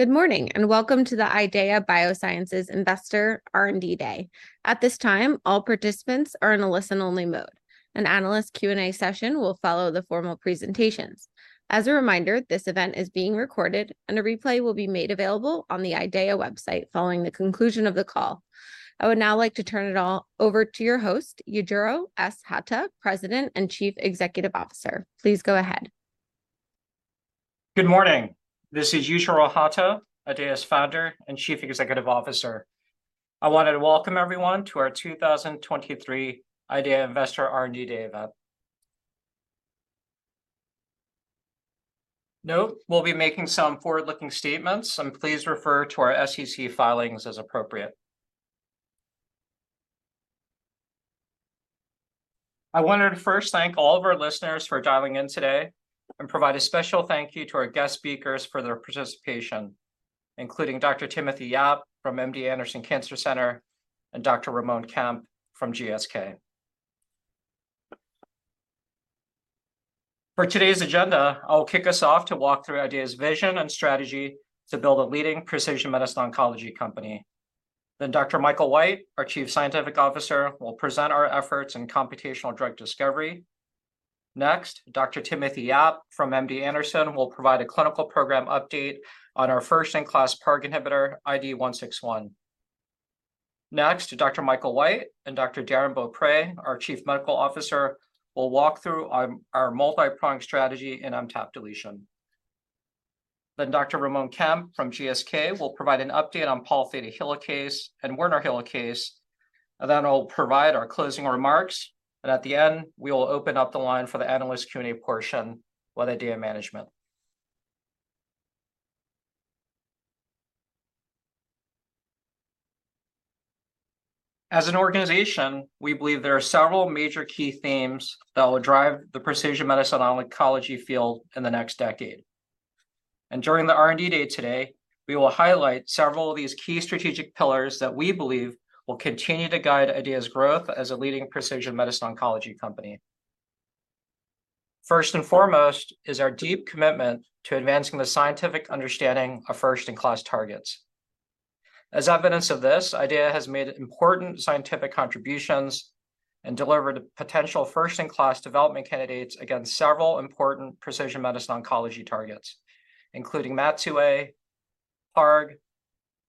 Good morning, and welcome to the IDEAYA Biosciences Investor R&D Day. At this time, all participants are in a listen-only mode. An analyst Q&A session will follow the formal presentations. As a reminder, this event is being recorded, and a replay will be made available on the IDEAYA website following the conclusion of the call. I would now like to turn it all over to your host, Yujiro S. Hata, President and Chief Executive Officer. Please go ahead. Good morning. This is Yujiro Hata, IDEAYA's Founder and Chief Executive Officer. I wanted to welcome everyone to our 2023 IDEAYA Investor R&D Day event. Note, we'll be making some forward-looking statements, and please refer to our SEC filings as appropriate. I wanted to first thank all of our listeners for dialing in today and provide a special thank you to our guest speakers for their participation, including Dr. Timothy Yap from MD Anderson Cancer Center and Dr. Ramon Kemp from GSK. For today's agenda, I'll kick us off to walk through IDEAYA's vision and strategy to build a leading precision medicine oncology company. Then Dr. Michael White, our Chief Scientific Officer, will present our efforts in computational drug discovery. Next, Dr. Timothy Yap from MD Anderson will provide a clinical program update on our first-in-class PARG inhibitor IDE161. Next, Dr. Michael White and Dr. Darrin Beaupre, our Chief Medical Officer, will walk through our multi-pronged strategy in MTAP deletion. Then Dr. Ramon Kemp from GSK will provide an update on Pol theta helicase and Werner helicase, and then I'll provide our closing remarks, and at the end, we will open up the line for the analyst Q&A portion with IDEAYA management. As an organization, we believe there are several major key themes that will drive the precision medicine oncology field in the next decade. During the R&D day today, we will highlight several of these key strategic pillars that we believe will continue to guide IDEAYA's growth as a leading precision medicine oncology company. First and foremost is our deep commitment to advancing the scientific understanding of first-in-class targets. As evidence of this, IDEAYA has made important scientific contributions and delivered potential first-in-class development candidates against several important precision medicine oncology targets, including MAT2A, PARP,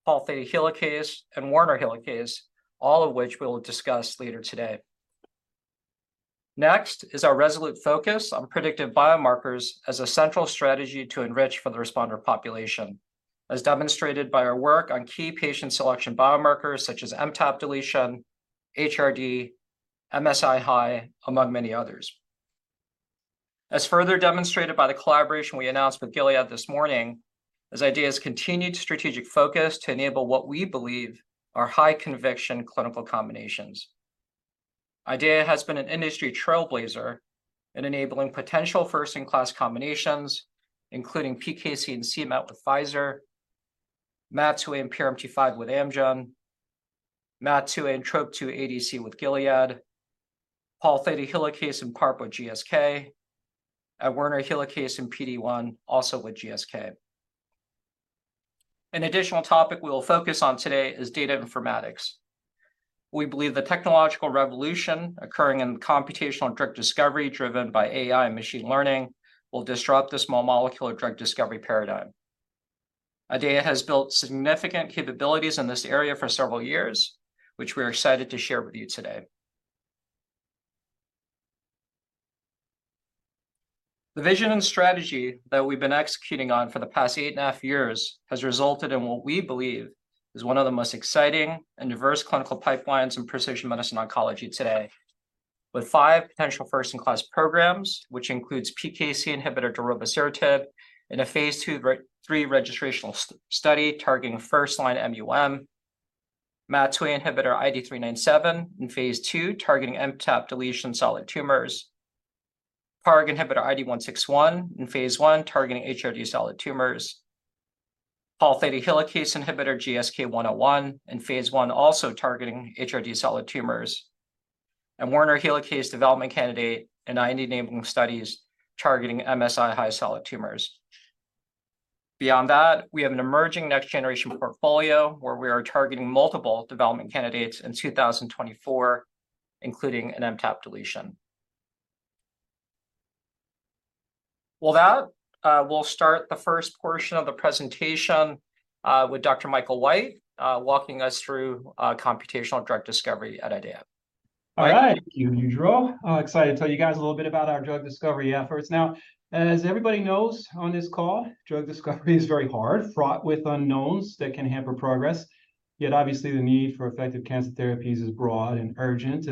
Pol theta helicase, and Werner helicase, all of which we'll discuss later today. Next is our resolute focus on predictive biomarkers as a central strategy to enrich for the responder population, as demonstrated by our work on key patient selection biomarkers such as MTAP deletion, HRD, MSI-High, among many others. As further demonstrated by the collaboration we announced with Gilead this morning, as IDEAYA's continued strategic focus to enable what we believe are high-conviction clinical combinations. IDEAYA has been an industry trailblazer in enabling potential first-in-class combinations, including PKC and c-MET with Pfizer, MAT2A and PRMT5 with Amgen, MAT2A and Trop-2 ADC with Gilead, Pol theta helicase and PARP with GSK, and Werner helicase and PD-1, also with GSK. An additional topic we will focus on today is data informatics. We believe the technological revolution occurring in computational drug discovery, driven by AI and machine learning, will disrupt the small molecule drug discovery paradigm. IDEAYA has built significant capabilities in this area for several years, which we are excited to share with you today. The vision and strategy that we've been executing on for the past 8.5 years has resulted in what we believe is one of the most exciting and diverse clinical pipelines in precision medicine oncology today, with five potential first-in-class programs, which includes PKC inhibitor darovasertib in a phase II/III registrational study targeting first-line MUM, MAT2A inhibitor IDE397 in phase II, targeting MTAP deletion solid tumors, PARG inhibitor IDE161 in phase I, targeting HRD solid tumors, Pol theta helicase inhibitor GSK101 in phase I, also targeting HRD solid tumors, and Werner helicase development candidate in IND-enabling studies targeting MSI-High solid tumors. Beyond that, we have an emerging next-generation portfolio, where we are targeting multiple development candidates in 2024, including an MTAP deletion. With that, we'll start the first portion of the presentation with Dr. Michael White walking us through computational drug discovery at IDEAYA. All right. Thank you, Yujiro. I'm excited to tell you guys a little bit about our drug discovery efforts. Now, as everybody knows on this call, drug discovery is very hard, fraught with unknowns that can hamper progress, yet obviously, the need for effective cancer therapies is broad and urgent.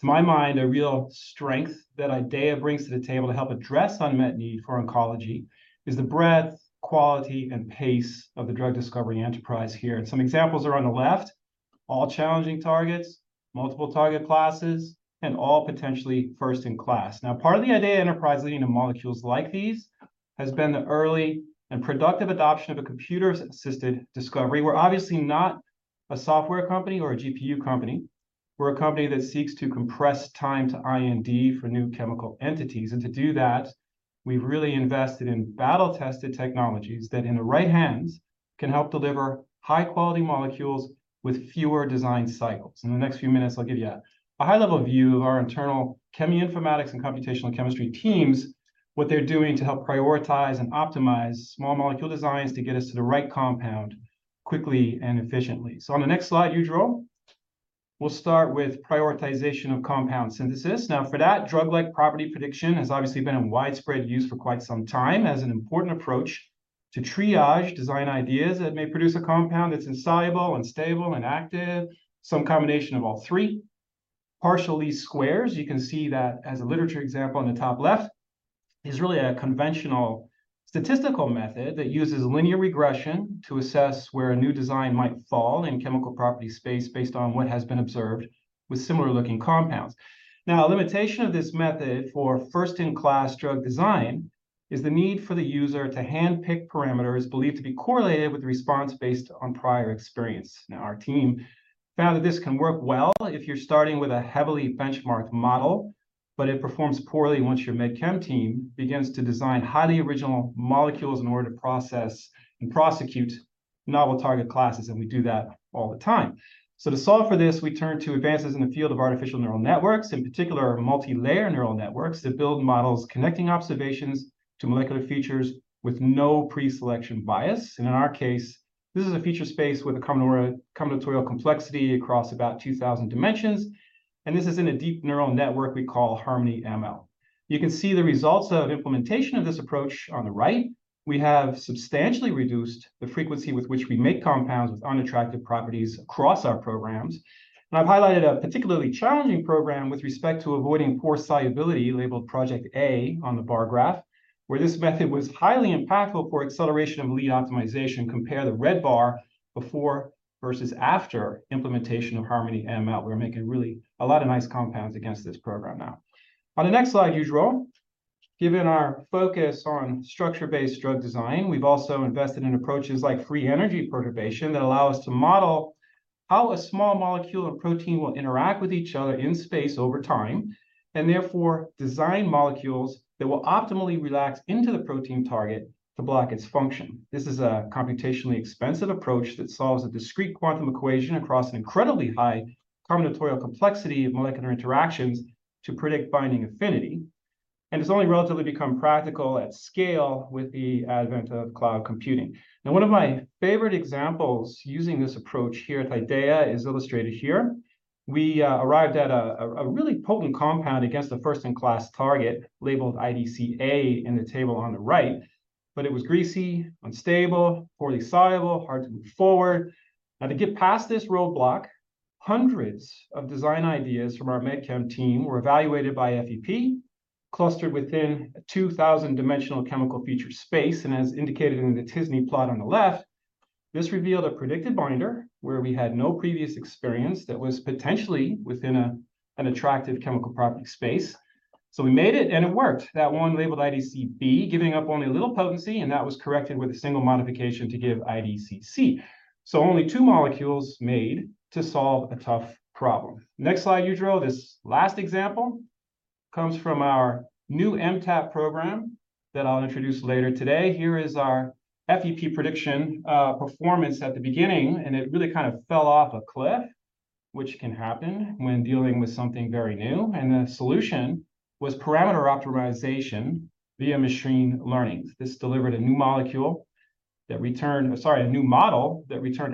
To my mind, a real strength that IDEAYA brings to the table to help address unmet need for oncology is the breadth, quality, and pace of the drug discovery enterprise here. Some examples are on the left, all challenging targets, multiple target classes, and all potentially first-in-class. Now, part of the IDEAYA enterprise leading to molecules like these has been the early and productive adoption of a computer-assisted discovery. We're obviously not a software company or a GPU company. We're a company that seeks to compress time to IND for new chemical entities, and to do that, we've really invested in battle-tested technologies that, in the right hands, can help deliver high-quality molecules with fewer design cycles. In the next few minutes, I'll give you a high-level view of our internal cheminformatics and computational chemistry teams, what they're doing to help prioritize and optimize small molecule designs to get us to the right compound quickly and efficiently. So on the next slide, Yujiro, we'll start with prioritization of compound synthesis. Now, for that, drug-like property prediction has obviously been in widespread use for quite some time as an important approach to triage design ideas that may produce a compound that's insoluble and stable and active, some combination of all three. Partial least squares, you can see that as a literature example on the top left, is really a conventional statistical method that uses linear regression to assess where a new design might fall in chemical property space based on what has been observed with similar-looking compounds. Now, a limitation of this method for first-in-class drug design is the need for the user to handpick parameters believed to be correlated with response based on prior experience. Now, our team found that this can work well if you're starting with a heavily benchmarked model, but it performs poorly once your med chem team begins to design highly original molecules in order to process and prosecute novel target classes, and we do that all the time. To solve for this, we turn to advances in the field of artificial neural networks, in particular, multilayer neural networks that build models connecting observations to molecular features with no pre-selection bias. And in our case, this is a feature space with a combinatorial complexity across about 2,000 dimensions, and this is in a deep neural network we call Harmony ML. You can see the results of implementation of this approach on the right. We have substantially reduced the frequency with which we make compounds with unattractive properties across our programs. And I've highlighted a particularly challenging program with respect to avoiding poor solubility, labeled Project A on the bar graph, where this method was highly impactful for acceleration of lead optimization. Compare the red bar before versus after implementation of Harmony ML. We're making really a lot of nice compounds against this program now. On the next slide, Yujiro, given our focus on structure-based drug design, we've also invested in approaches like free energy perturbation that allow us to model how a small molecule or protein will interact with each other in space over time, and therefore design molecules that will optimally relax into the protein target to block its function. This is a computationally expensive approach that solves a discrete quantum equation across an incredibly high combinatorial complexity of molecular interactions to predict binding affinity, and has only relatively become practical at scale with the advent of cloud computing. Now, one of my favorite examples using this approach here at IDEAYA is illustrated here. We arrived at a really potent compound against a first-in-class target labeled IDCA in the table on the right, but it was greasy, unstable, poorly soluble, hard to move forward. Now, to get past this roadblock, hundreds of design ideas from our med chem team were evaluated by FEP, clustered within a 2,000-dimensional chemical feature space, and as indicated in the t-SNE plot on the left, this revealed a predicted binder where we had no previous experience that was potentially within an attractive chemical property space. So we made it, and it worked. That one labeled IDCB, giving up only a little potency, and that was corrected with a single modification to give IDCC. So only two molecules made to solve a tough problem. Next slide, Yujiro. This last example comes from our new MTAP program that I'll introduce later today. Here is our FEP prediction performance at the beginning, and it really kind of fell off a cliff, which can happen when dealing with something very new, and the solution was parameter optimization via machine learning. This delivered a new model that returned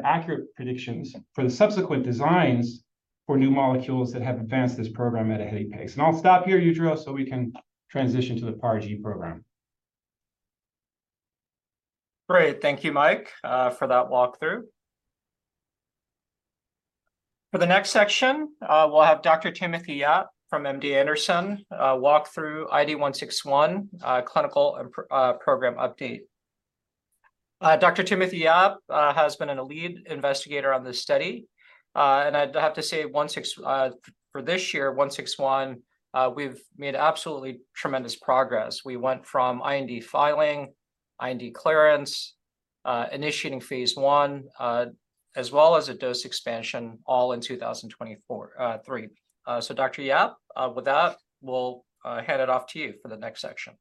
accurate predictions for the subsequent designs for new molecules that have advanced this program at a heady pace. I'll stop here, Yujiro, so we can transition to the PARG program. Great. Thank you, Mike, for that walkthrough. For the next section, we'll have Dr. Timothy Yap from MD Anderson walk through IDE161 clinical and program update. Dr. Timothy Yap has been a lead investigator on this study, and I'd have to say for this year, IDE161, we've made absolutely tremendous progress. We went from IND filing, IND clearance, initiating phase I, as well as a dose expansion, all in 2023. So Dr. Yap, with that, we'll hand it off to you for the next section.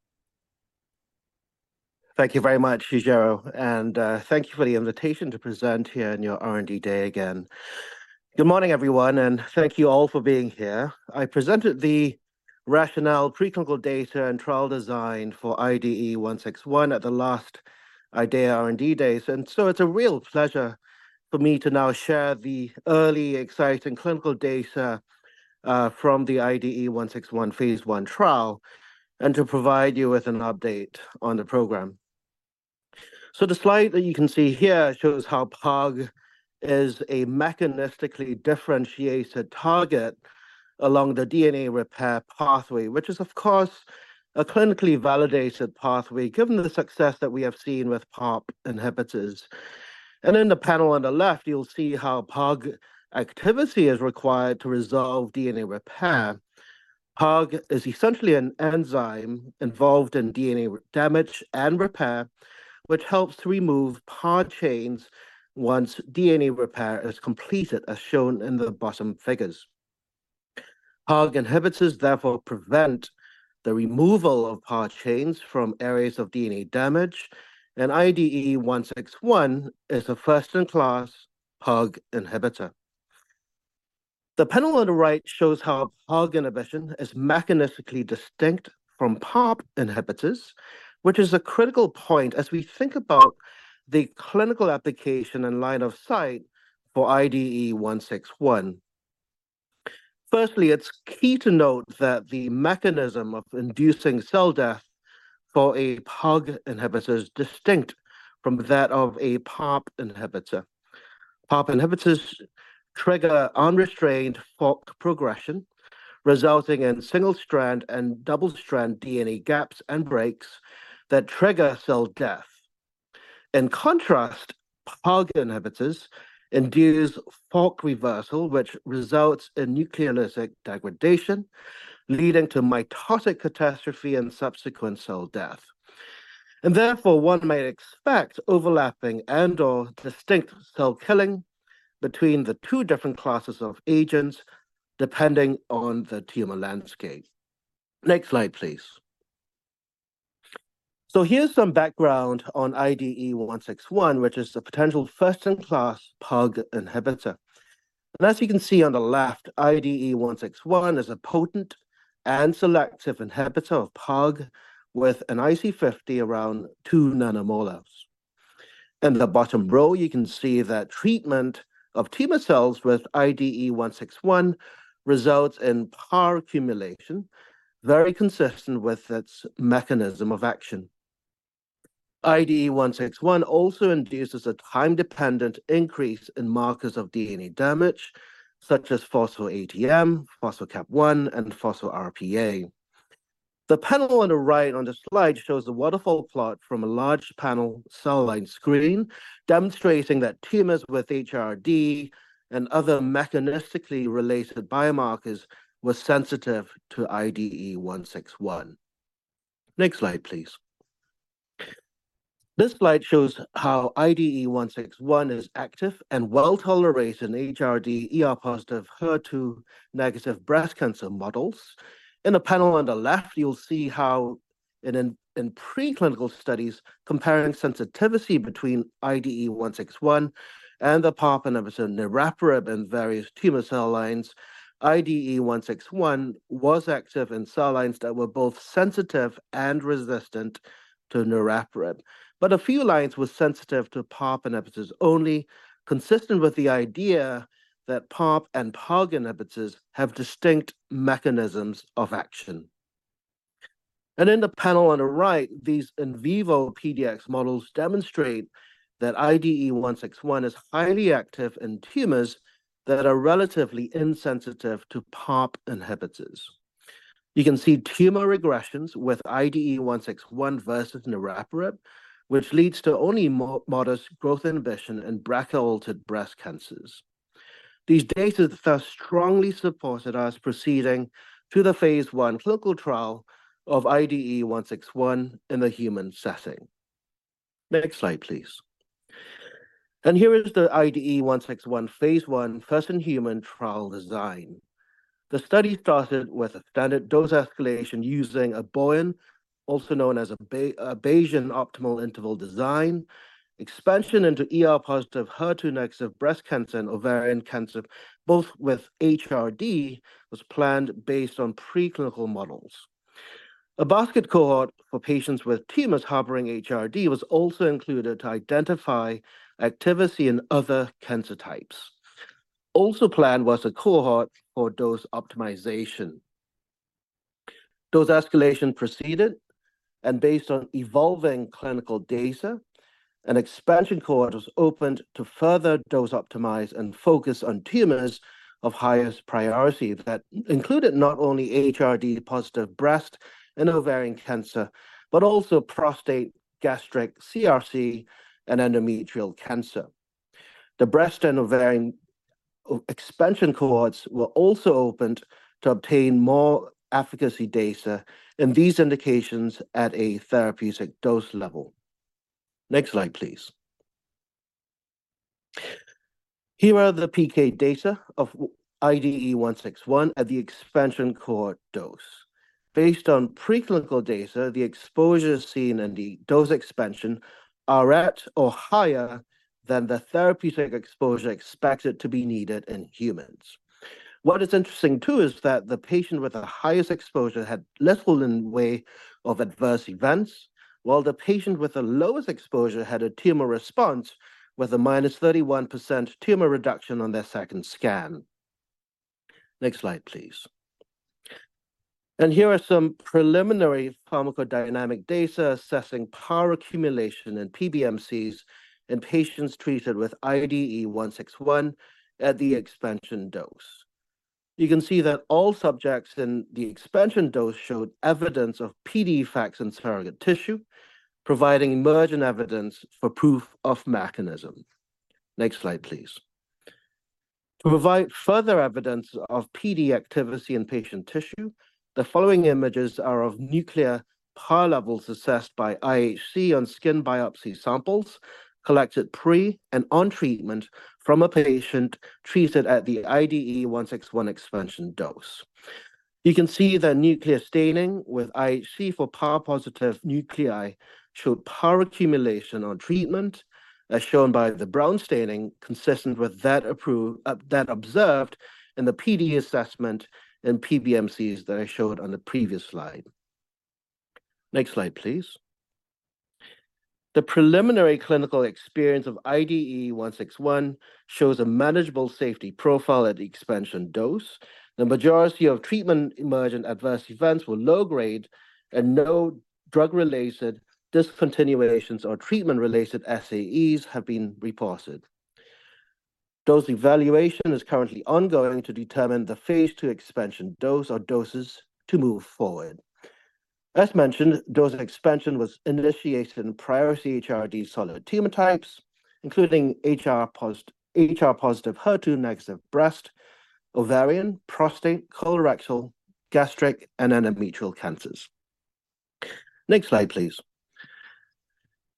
Thank you very much, Yujiro, and thank you for the invitation to present here in your R&D day again. Good morning, everyone, and thank you all for being here. I presented the rationale, preclinical data, and trial design for IDE161 at the last IDEAYA R&D days, and so it's a real pleasure for me to now share the early exciting clinical data from the IDE161 phase I trial, and to provide you with an update on the program. So the slide that you can see here shows how PARP is a mechanistically differentiated target along the DNA repair pathway, which is, of course, a clinically validated pathway, given the success that we have seen with PARP inhibitors. And in the panel on the left, you'll see how PARP activity is required to resolve DNA repair. PARG is essentially an enzyme involved in DNA damage and repair, which helps remove PAR chains once DNA repair is completed, as shown in the bottom figures. PARG inhibitors therefore prevent the removal of PAR chains from areas of DNA damage, and IDE161 is a first-in-class PARG inhibitor. The panel on the right shows how PARG inhibition is mechanistically distinct from PARP inhibitors, which is a critical point as we think about the clinical application and line of sight for IDE161. Firstly, it's key to note that the mechanism of inducing cell death for a PARG inhibitor is distinct from that of a PARP inhibitor. PARP inhibitors trigger unrestrained fork progression, resulting in single-strand and double-strand DNA gaps and breaks that trigger cell death. In contrast, PARG inhibitors induce fork reversal, which results in nucleolytic degradation, leading to mitotic catastrophe and subsequent cell death. And therefore, one might expect overlapping and/or distinct cell killing between the two different classes of agents, depending on the tumor landscape. Next slide, please. So here's some background on IDE161, which is a potential first-in-class PARG inhibitor. And as you can see on the left, IDE161 is a potent and selective inhibitor of PARG with an IC50 around 2 nanomoles. In the bottom row, you can see that treatment of tumor cells with IDE161 results in PAR accumulation, very consistent with its mechanism of action. IDE161 also induces a time-dependent increase in markers of DNA damage, such as phospho-ATM, phospho-KAP1, and phospho-RPA. The panel on the right on the slide shows a waterfall plot from a large panel cell line screen, demonstrating that tumors with HRD and other mechanistically related biomarkers were sensitive to IDE161. Next slide, please. This slide shows how IDE161 is active and well-tolerated in HRD, ER-positive, HER2-negative breast cancer models. In the panel on the left, you'll see how in preclinical studies comparing sensitivity between IDE161 and the PARP inhibitor niraparib in various tumor cell lines, IDE161 was active in cell lines that were both sensitive and resistant to niraparib. But a few lines were sensitive to PARP inhibitors, only consistent with the idea that PARP and PARG inhibitors have distinct mechanisms of action. And in the panel on the right, these in vivo PDX models demonstrate that IDE161 is highly active in tumors that are relatively insensitive to PARP inhibitors. You can see tumor regressions with IDE161 versus niraparib, which leads to only modest growth inhibition in BRCA-altered breast cancers. These data thus strongly supported us proceeding to the phase I clinical trial of IDE161 in the human setting. Next slide, please. And here is the IDE161 phase I first-in-human trial design. The study started with a standard dose escalation using a BOIN, also known as a Bayesian optimal interval design. Expansion into ER-positive, HER2-negative breast cancer and ovarian cancer, both with HRD, was planned based on preclinical models. A basket cohort for patients with tumors harboring HRD was also included to identify activity in other cancer types. Also planned was a cohort for dose optimization. Dose escalation proceeded, and based on evolving clinical data, an expansion cohort was opened to further dose optimize and focus on tumors of highest priority. That included not only HRD-positive breast and ovarian cancer, but also prostate, gastric, CRC, and endometrial cancer. The breast and ovarian expansion cohorts were also opened to obtain more efficacy data in these indications at a therapeutic dose level. Next slide, please. Here are the PK data of IDE161 at the expansion cohort dose. Based on preclinical data, the exposure seen in the dose expansion are at or higher than the therapeutic exposure expected to be needed in humans. What is interesting, too, is that the patient with the highest exposure had little in the way of adverse events, while the patient with the lowest exposure had a tumor response with a -31% tumor reduction on their second scan. Next slide, please. And here are some preliminary pharmacodynamic data assessing PAR accumulation in PBMCs in patients treated with IDE161 at the expansion dose. You can see that all subjects in the expansion dose showed evidence of PD effects in surrogate tissue, providing emerging evidence for proof of mechanism. Next slide, please. To provide further evidence of PD activity in patient tissue, the following images are of nuclear PAR levels assessed by IHC on skin biopsy samples collected pre and on treatment from a patient treated at the IDE161 expansion dose. You can see the nuclear staining with IHC for PAR-positive nuclei showed PAR accumulation on treatment, as shown by the brown staining, consistent with that observed in the PD assessment in PBMCs that I showed on the previous slide. Next slide, please. The preliminary clinical experience of IDE161 shows a manageable safety profile at the expansion dose. The majority of treatment-emergent adverse events were low grade, and no drug-related discontinuations or treatment-related SAEs have been reported. Dose evaluation is currently ongoing to determine the phase II expansion dose or doses to move forward. As mentioned, dose expansion was initiated in priority HRD solid tumor types, including HR-positive, HER2-negative breast, ovarian, prostate, colorectal, gastric, and endometrial cancers. Next slide, please.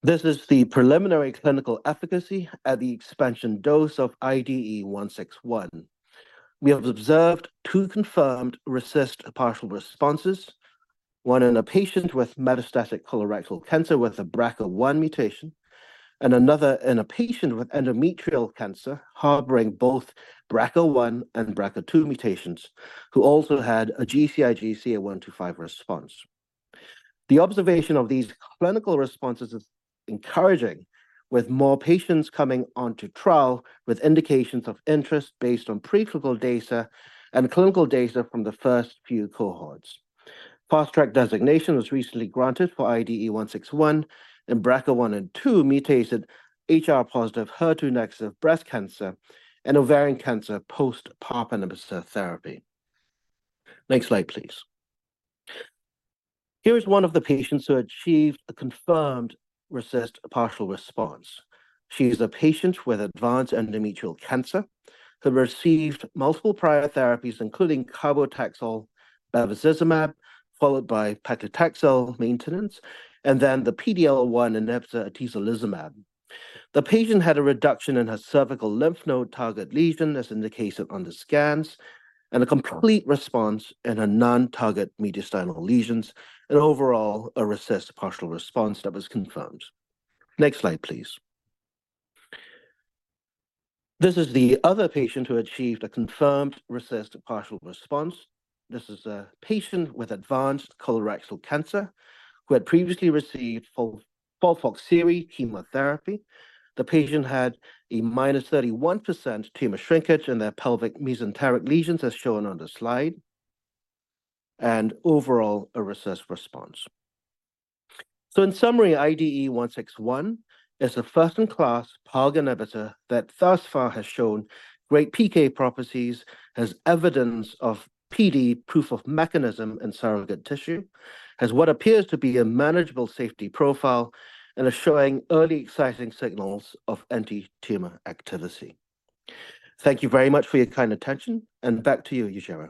This is the preliminary clinical efficacy at the expansion dose of IDE161. We have observed two confirmed RECIST partial responses, one in a patient with metastatic colorectal cancer with a BRCA1 mutation and another in a patient with endometrial cancer harboring both BRCA1 and BRCA2 mutations, who also had a RECIST 1.1 response. The observation of these clinical responses is encouraging, with more patients coming onto trial with indications of interest based on preclinical data and clinical data from the first few cohorts. Fast Track designation was recently granted for IDE161 in BRCA1 and BRCA2 mutated HR-positive, HER2-negative breast cancer and ovarian cancer, post PARP inhibitor therapy. Next slide, please. Here is one of the patients who achieved a confirmed RECIST partial response. She is a patient with advanced endometrial cancer who received multiple prior therapies, including carboplatin-Taxol bevacizumab, followed by paclitaxel maintenance, and then the PD-L1 and atezolizumab. The patient had a reduction in her cervical lymph node target lesion, as indicated on the scans, and a complete response in her non-target mediastinal lesions and overall, a confirmed partial response that was confirmed. Next slide, please. This is the other patient who achieved a confirmed partial response. This is a patient with advanced colorectal cancer who had previously received FOLFIRI chemotherapy. The patient had a -31% tumor shrinkage in their pelvic mesenteric lesions, as shown on the slide, and overall, a confirmed response. So in summary, IDE161 is a first-in-class PARG inhibitor that thus far has shown great PK properties as evidence of PD proof of mechanism in surrogate tissue, has what appears to be a manageable safety profile, and is showing early exciting signals of anti-tumor activity. Thank you very much for your kind attention, and back to you, Yujiro.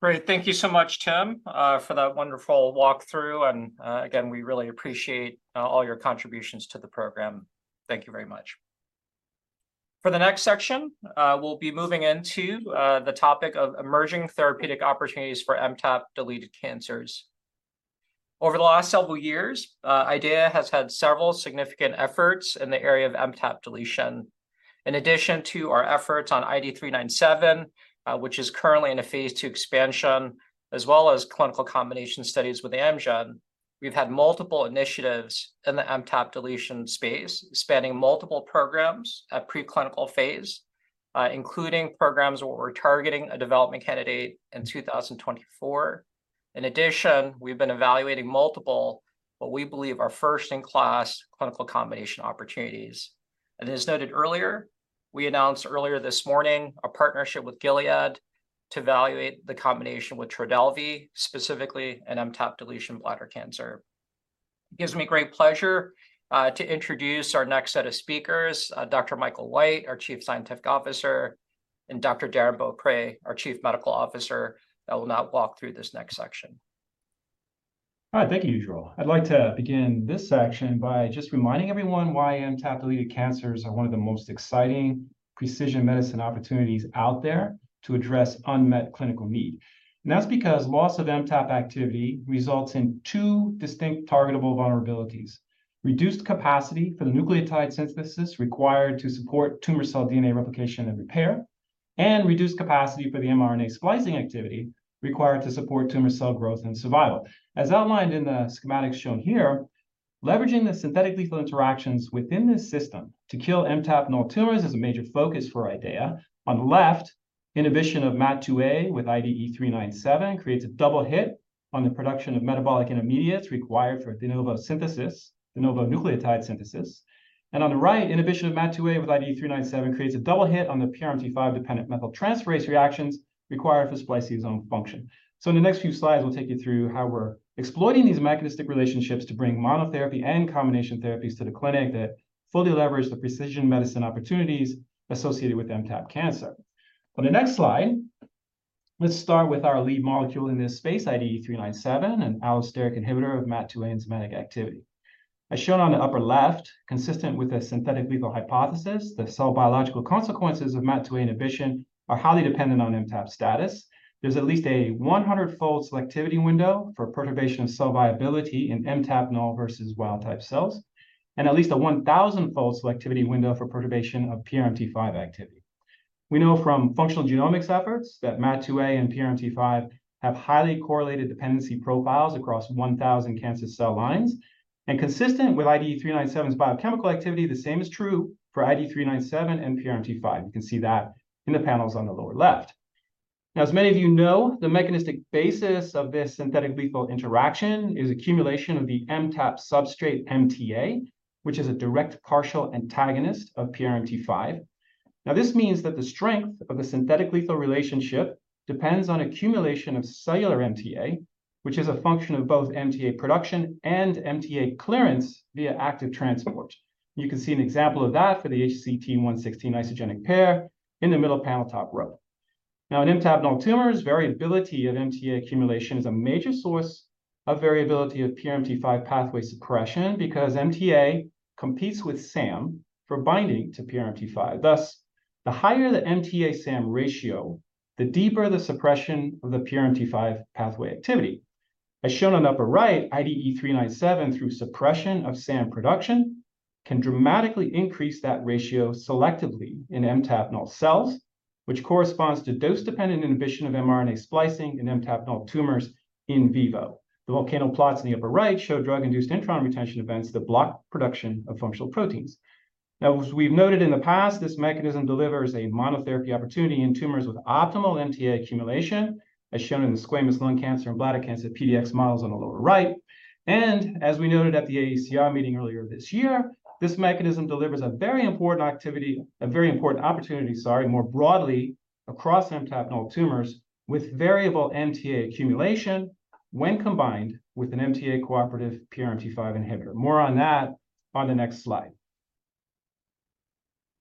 Great. Thank you so much, Tim, for that wonderful walkthrough and, again, we really appreciate all your contributions to the program. Thank you very much. For the next section, we'll be moving into the topic of emerging therapeutic opportunities for MTAP-deleted cancers. Over the last several years, IDEAYA has had several significant efforts in the area of MTAP deletion. In addition to our efforts on IDE397, which is currently in a phase II expansion, as well as clinical combination studies with Amgen, we've had multiple initiatives in the MTAP deletion space, spanning multiple programs at preclinical phase, including programs where we're targeting a development candidate in 2024. In addition, we've been evaluating multiple, what we believe are first-in-class clinical combination opportunities. As noted earlier, we announced earlier this morning a partnership with Gilead to evaluate the combination with Trodelvy, specifically in MTAP deletion bladder cancer. It gives me great pleasure to introduce our next set of speakers, Dr. Michael White, our Chief Scientific Officer, and Dr. Darrin Beaupre, our Chief Medical Officer, that will now walk through this next section. All right, thank you, Yujiro. I'd like to begin this section by just reminding everyone why MTAP-deleted cancers are one of the most exciting precision medicine opportunities out there to address unmet clinical need. That's because loss of MTAP activity results in two distinct targetable vulnerabilities: reduced capacity for the nucleotide synthesis required to support tumor cell DNA replication and repair, and reduced capacity for the mRNA splicing activity required to support tumor cell growth and survival. As outlined in the schematics shown here, leveraging the synthetic lethal interactions within this system to kill MTAP null tumors is a major focus for IDEAYA. On the left, inhibition of MAT2A with IDE397 creates a double hit on the production of metabolic intermediates required for de novo synthesis, de novo nucleotide synthesis. On the right, inhibition of MAT2A with IDE397 creates a double hit on the PRMT5-dependent methyltransferase reactions required for spliceosome function. In the next few slides, we'll take you through how we're exploiting these mechanistic relationships to bring monotherapy and combination therapies to the clinic that fully leverage the precision medicine opportunities associated with MTAP cancer. On the next slide, let's start with our lead molecule in this space, IDE397, an allosteric inhibitor of MAT2A enzymatic activity. As shown on the upper left, consistent with the synthetic lethal hypothesis, the cell biological consequences of MAT2A inhibition are highly dependent on MTAP status. There's at least a 100-fold selectivity window for perturbation of cell viability in MTAP null versus wild-type cells and at least a 1,000-fold selectivity window for perturbation of PRMT5 activity. We know from functional genomics efforts that MAT2A and PRMT5 have highly correlated dependency profiles across 1,000 cancer cell lines, and consistent with IDE397's biochemical activity, the same is true for IDE397 and PRMT5. You can see that in the panels on the lower left. Now, as many of you know, the mechanistic basis of this synthetic lethal interaction is accumulation of the MTAP substrate MTA, which is a direct partial antagonist of PRMT5. Now, this means that the strength of the synthetic lethal relationship depends on accumulation of cellular MTA, which is a function of both MTA production and MTA clearance via active transport. You can see an example of that for the HCT116 isogenic pair in the middle panel, top row. Now, in MTAP null tumors, variability of MTA accumulation is a major source of variability of PRMT5 pathway suppression because MTA competes with SAM for binding to PRMT5. Thus, the higher the MTA/SAM ratio, the deeper the suppression of the PRMT5 pathway activity. As shown on the upper right, IDE397, through suppression of SAM production, can dramatically increase that ratio selectively in MTAP null cells, which corresponds to dose-dependent inhibition of mRNA splicing in MTAP null tumors in vivo. The volcano plots in the upper right show drug-induced intron retention events that block production of functional proteins. Now, as we've noted in the past, this mechanism delivers a monotherapy opportunity in tumors with optimal MTA accumulation, as shown in the squamous lung cancer and bladder cancer PDX models on the lower right. And as we noted at the AACR meeting earlier this year, this mechanism delivers a very important activity, a very important opportunity, sorry, more broadly across MTAP null tumors with variable MTA accumulation when combined with an MTA cooperative PRMT5 inhibitor. More on that on the next slide.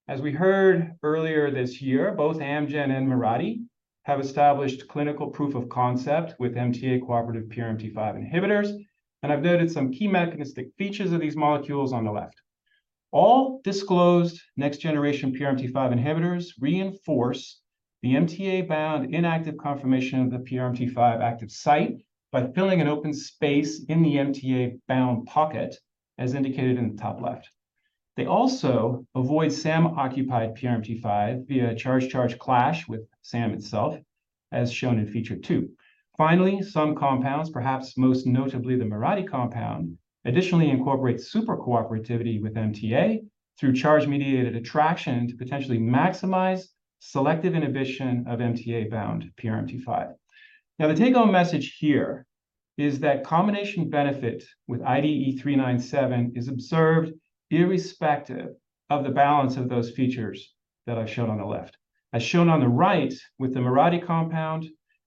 As we heard earlier this year, both Amgen and Mirati have established clinical proof of concept with MTA cooperative PRMT5 inhibitors, and I've noted some key mechanistic features of these molecules on the left. All disclosed next generation PRMT5 inhibitors reinforce the MTA-bound inactive conformation of the PRMT5 active site by filling an open space in the MTA-bound pocket, as indicated in the top left. They also avoid SAM-occupied PRMT5 via charge-charge clash with SAM itself, as shown in feature two. Finally, some compounds, perhaps most notably the Mirati compound, additionally incorporate super cooperativity with MTA through charge-mediated attraction to potentially maximize selective inhibition of MTA-bound PRMT5. Now, the take-home message here is that combination benefit with IDE397 is observed irrespective of the balance of those features that I showed on the left. As shown on the right, with the Mirati compound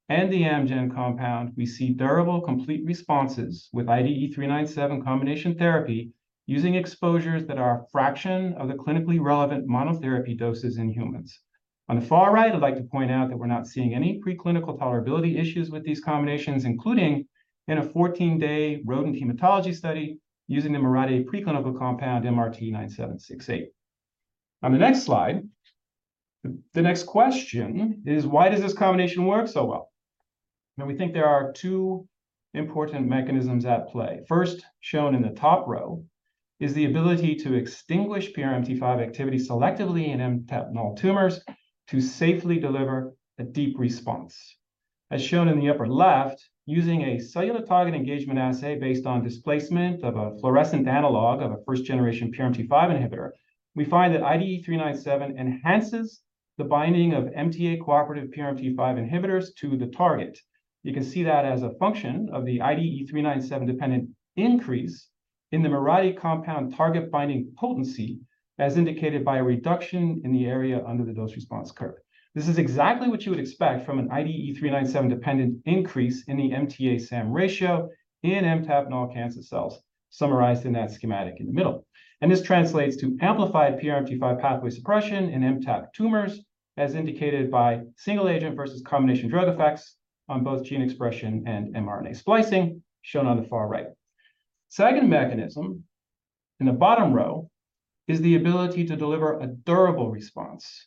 and the Amgen compound, we see durable, complete responses with IDE397 combination therapy, using exposures that are a fraction of the clinically relevant monotherapy doses in humans. On the far right, I'd like to point out that we're not seeing any preclinical tolerability issues with these combinations, including in a 14-day rodent hematology study using the Mirati preclinical compound, MRT9768. On the next slide, the next question is: why does this combination work so well? Now, we think there are two important mechanisms at play. First, shown in the top row, is the ability to extinguish PRMT5 activity selectively in MTAP null tumors to safely deliver a deep response. As shown in the upper left, using a cellular target engagement assay based on displacement of a fluorescent analog of a first-generation PRMT5 inhibitor, we find that IDE397 enhances the binding of MTA cooperative PRMT5 inhibitors to the target. You can see that as a function of the IDE397-dependent increase in the Mirati compound target binding potency, as indicated by a reduction in the area under the dose response curve. This is exactly what you would expect from an IDE397-dependent increase in the MTA/SAM ratio in MTAP null cancer cells, summarized in that schematic in the middle. This translates to amplified PRMT5 pathway suppression in MTAP tumors, as indicated by single agent versus combination drug effects on both gene expression and mRNA splicing, shown on the far right. Second mechanism, in the bottom row, is the ability to deliver a durable response,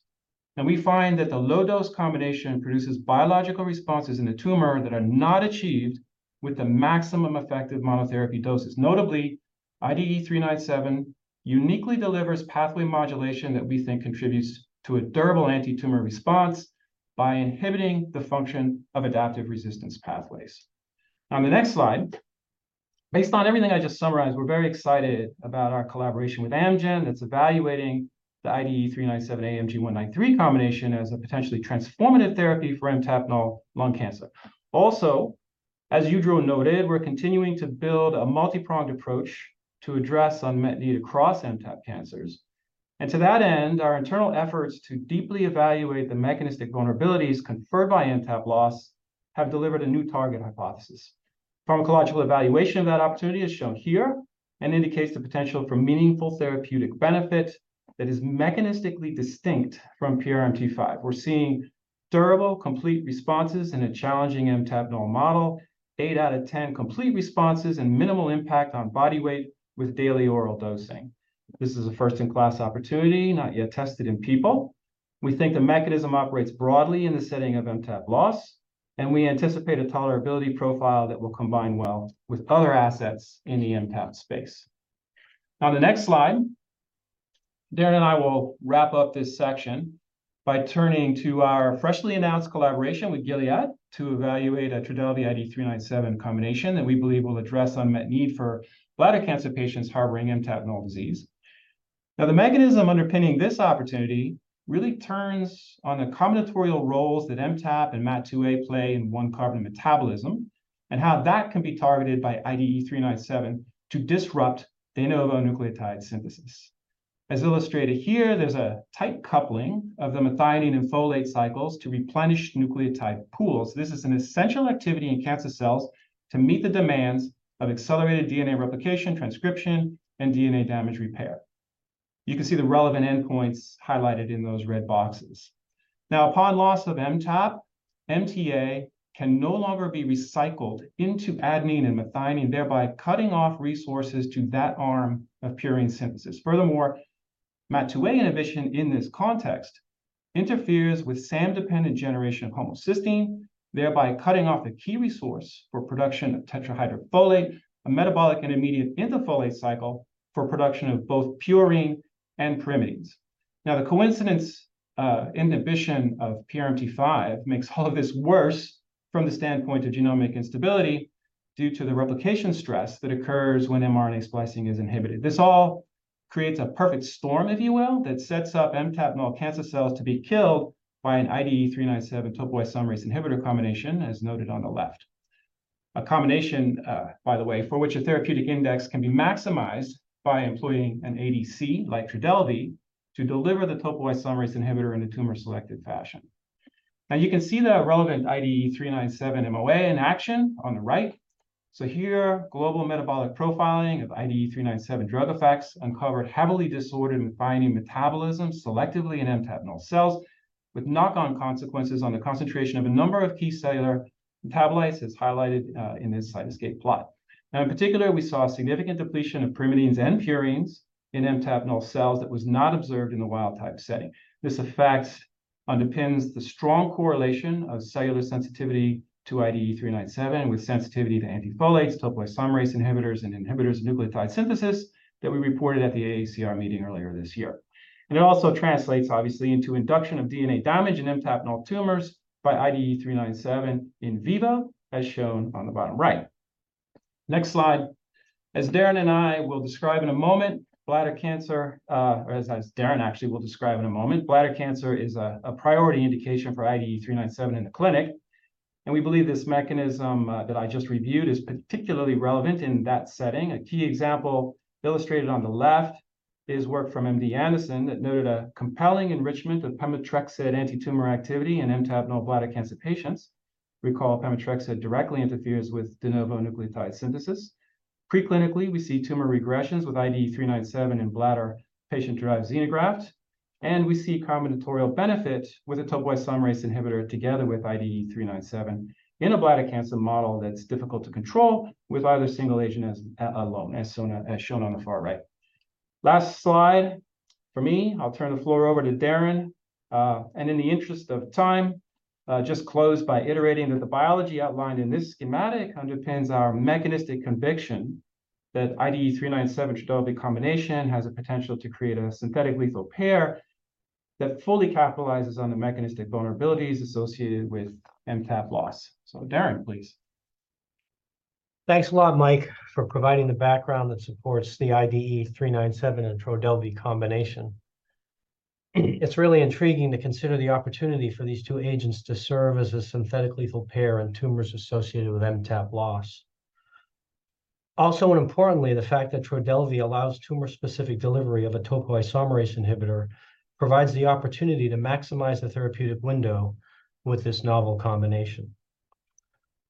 and we find that the low-dose combination produces biological responses in the tumor that are not achieved with the maximum effective monotherapy doses. Notably, IDE397 uniquely delivers pathway modulation that we think contributes to a durable antitumor response by inhibiting the function of adaptive resistance pathways. On the next slide, based on everything I just summarized, we're very excited about our collaboration with Amgen, that's evaluating the IDE397/AMG 193 combination as a potentially transformative therapy for MTAP null lung cancer. Also, as you drew and noted, we're continuing to build a multipronged approach to address unmet need across MTAP cancers. And to that end, our internal efforts to deeply evaluate the mechanistic vulnerabilities conferred by MTAP loss have delivered a new target hypothesis. Pharmacological evaluation of that opportunity is shown here and indicates the potential for meaningful therapeutic benefit that is mechanistically distinct from PRMT5. We're seeing durable, complete responses in a challenging MTAP null model, 8 out of 10 complete responses and minimal impact on body weight with daily oral dosing. This is a first-in-class opportunity, not yet tested in people. We think the mechanism operates broadly in the setting of MTAP loss, and we anticipate a tolerability profile that will combine well with other assets in the MTAP space. Now, the next slide, Darrin and I will wrap up this section by turning to our freshly announced collaboration with Gilead to evaluate a Trodelvy IDE397 combination that we believe will address unmet need for bladder cancer patients harboring MTAP null disease. Now, the mechanism underpinning this opportunity really turns on the combinatorial roles that MTAP and MAT2A play in one-carbon metabolism, and how that can be targeted by IDE397 to disrupt de novo nucleotide synthesis. As illustrated here, there's a tight coupling of the methionine and folate cycles to replenish nucleotide pools. This is an essential activity in cancer cells to meet the demands of accelerated DNA replication, transcription, and DNA damage repair. You can see the relevant endpoints highlighted in those red boxes. Now, upon loss of MTAP, MTA can no longer be recycled into adenine and methionine, thereby cutting off resources to that arm of purine synthesis. Furthermore, MAT2A inhibition in this context interferes with SAM-dependent generation of homocysteine, thereby cutting off a key resource for production of tetrahydrofolate, a metabolic intermediate in the folate cycle for production of both purine and pyrimidines. Now, the coincident inhibition of PRMT5 makes all of this worse from the standpoint of genomic instability due to the replication stress that occurs when mRNA splicing is inhibited. This all creates a perfect storm, if you will, that sets up MTAP null cancer cells to be killed by an IDE397 topoisomerase inhibitor combination, as noted on the left. A combination, by the way, for which a therapeutic index can be maximized by employing an ADC, like Trodelvy, to deliver the topoisomerase inhibitor in a tumor-selected fashion. Now, you can see the relevant IDE397 MOA in action on the right. Here, global metabolic profiling of IDE397 drug effects uncovered heavily disordered methionine metabolism, selectively in MTAP null cells, with knock-on consequences on the concentration of a number of key cellular metabolites, as highlighted in this Cytoscape plot. Now, in particular, we saw a significant depletion of pyrimidines and purines in MTAP null cells that was not observed in the wild-type setting. This effect underpins the strong correlation of cellular sensitivity to IDE397 with sensitivity to antifolates, topoisomerase inhibitors, and inhibitors of nucleotide synthesis that we reported at the AACR meeting earlier this year. It also translates, obviously, into induction of DNA damage in MTAP null tumors by IDE397 in vivo, as shown on the bottom right. Next slide. As Darrin and I will describe in a moment, bladder cancer, or as Darrin actually will describe in a moment, bladder cancer is a priority indication for IDE397 in the clinic, and we believe this mechanism that I just reviewed is particularly relevant in that setting. A key example illustrated on the left is work from MD Anderson that noted a compelling enrichment of pemetrexed antitumor activity in MTAP null bladder cancer patients. Recall, pemetrexed directly interferes with de novo nucleotide synthesis. Preclinically, we see tumor regressions with IDE397 in bladder patient-derived xenografts, and we see combinatorial benefit with a topoisomerase inhibitor together with IDE397 in a bladder cancer model that's difficult to control with either single agent alone, as shown on the far right. Last slide for me. I'll turn the floor over to Darrin. In the interest of time, just close by iterating that the biology outlined in this schematic underpins our mechanistic conviction that IDE397 Trodelvy combination has a potential to create a synthetic lethal pair that fully capitalizes on the mechanistic vulnerabilities associated with MTAP loss. So, Darrin, please. Thanks a lot, Mike, for providing the background that supports the IDE397 and Trodelvy combination. It's really intriguing to consider the opportunity for these two agents to serve as a synthetic lethal pair in tumors associated with MTAP loss. Also, and importantly, the fact that Trodelvy allows tumor-specific delivery of a topoisomerase inhibitor provides the opportunity to maximize the therapeutic window with this novel combination.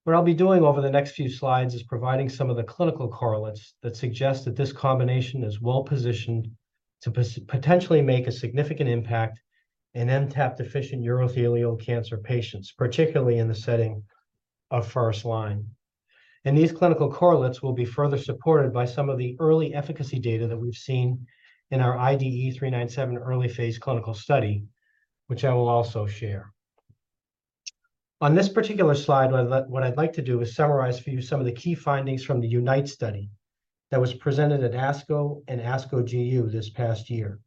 What I'll be doing over the next few slides is providing some of the clinical correlates that suggest that this combination is well-positioned to potentially make a significant impact in MTAP-deficient urothelial cancer patients, particularly in the setting of first line. And these clinical correlates will be further supported by some of the early efficacy data that we've seen in our IDE397 early phase clinical study, which I will also share. On this particular slide, what I'd like to do is summarize for you some of the key findings from the UNITE study that was presented at ASCO and ASCO GU this past year.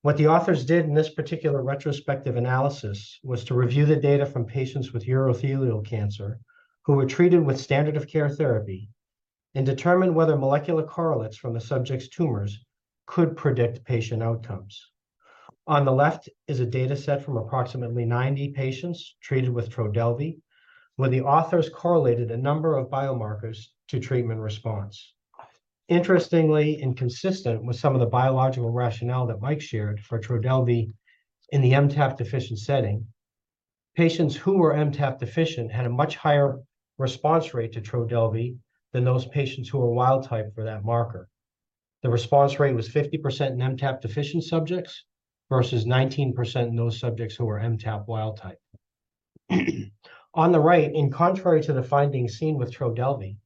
What the authors did in this particular retrospective analysis was to review the data from patients with urothelial cancer who were treated with standard of care therapy, and determine whether molecular correlates from the subjects' tumors could predict patient outcomes. On the left is a data set from approximately 90 patients treated with Trodelvy, where the authors correlated a number of biomarkers to treatment response. Interestingly, and consistent with some of the biological rationale that Mike shared for Trodelvy in the MTAP-deficient setting, patients who were MTAP-deficient had a much higher response rate to Trodelvy than those patients who were wild type for that marker. The response rate was 50% in MTAP-deficient subjects, versus 19% in those subjects who were MTAP wild type. On the right, and contrary to the findings seen with Trodelvy,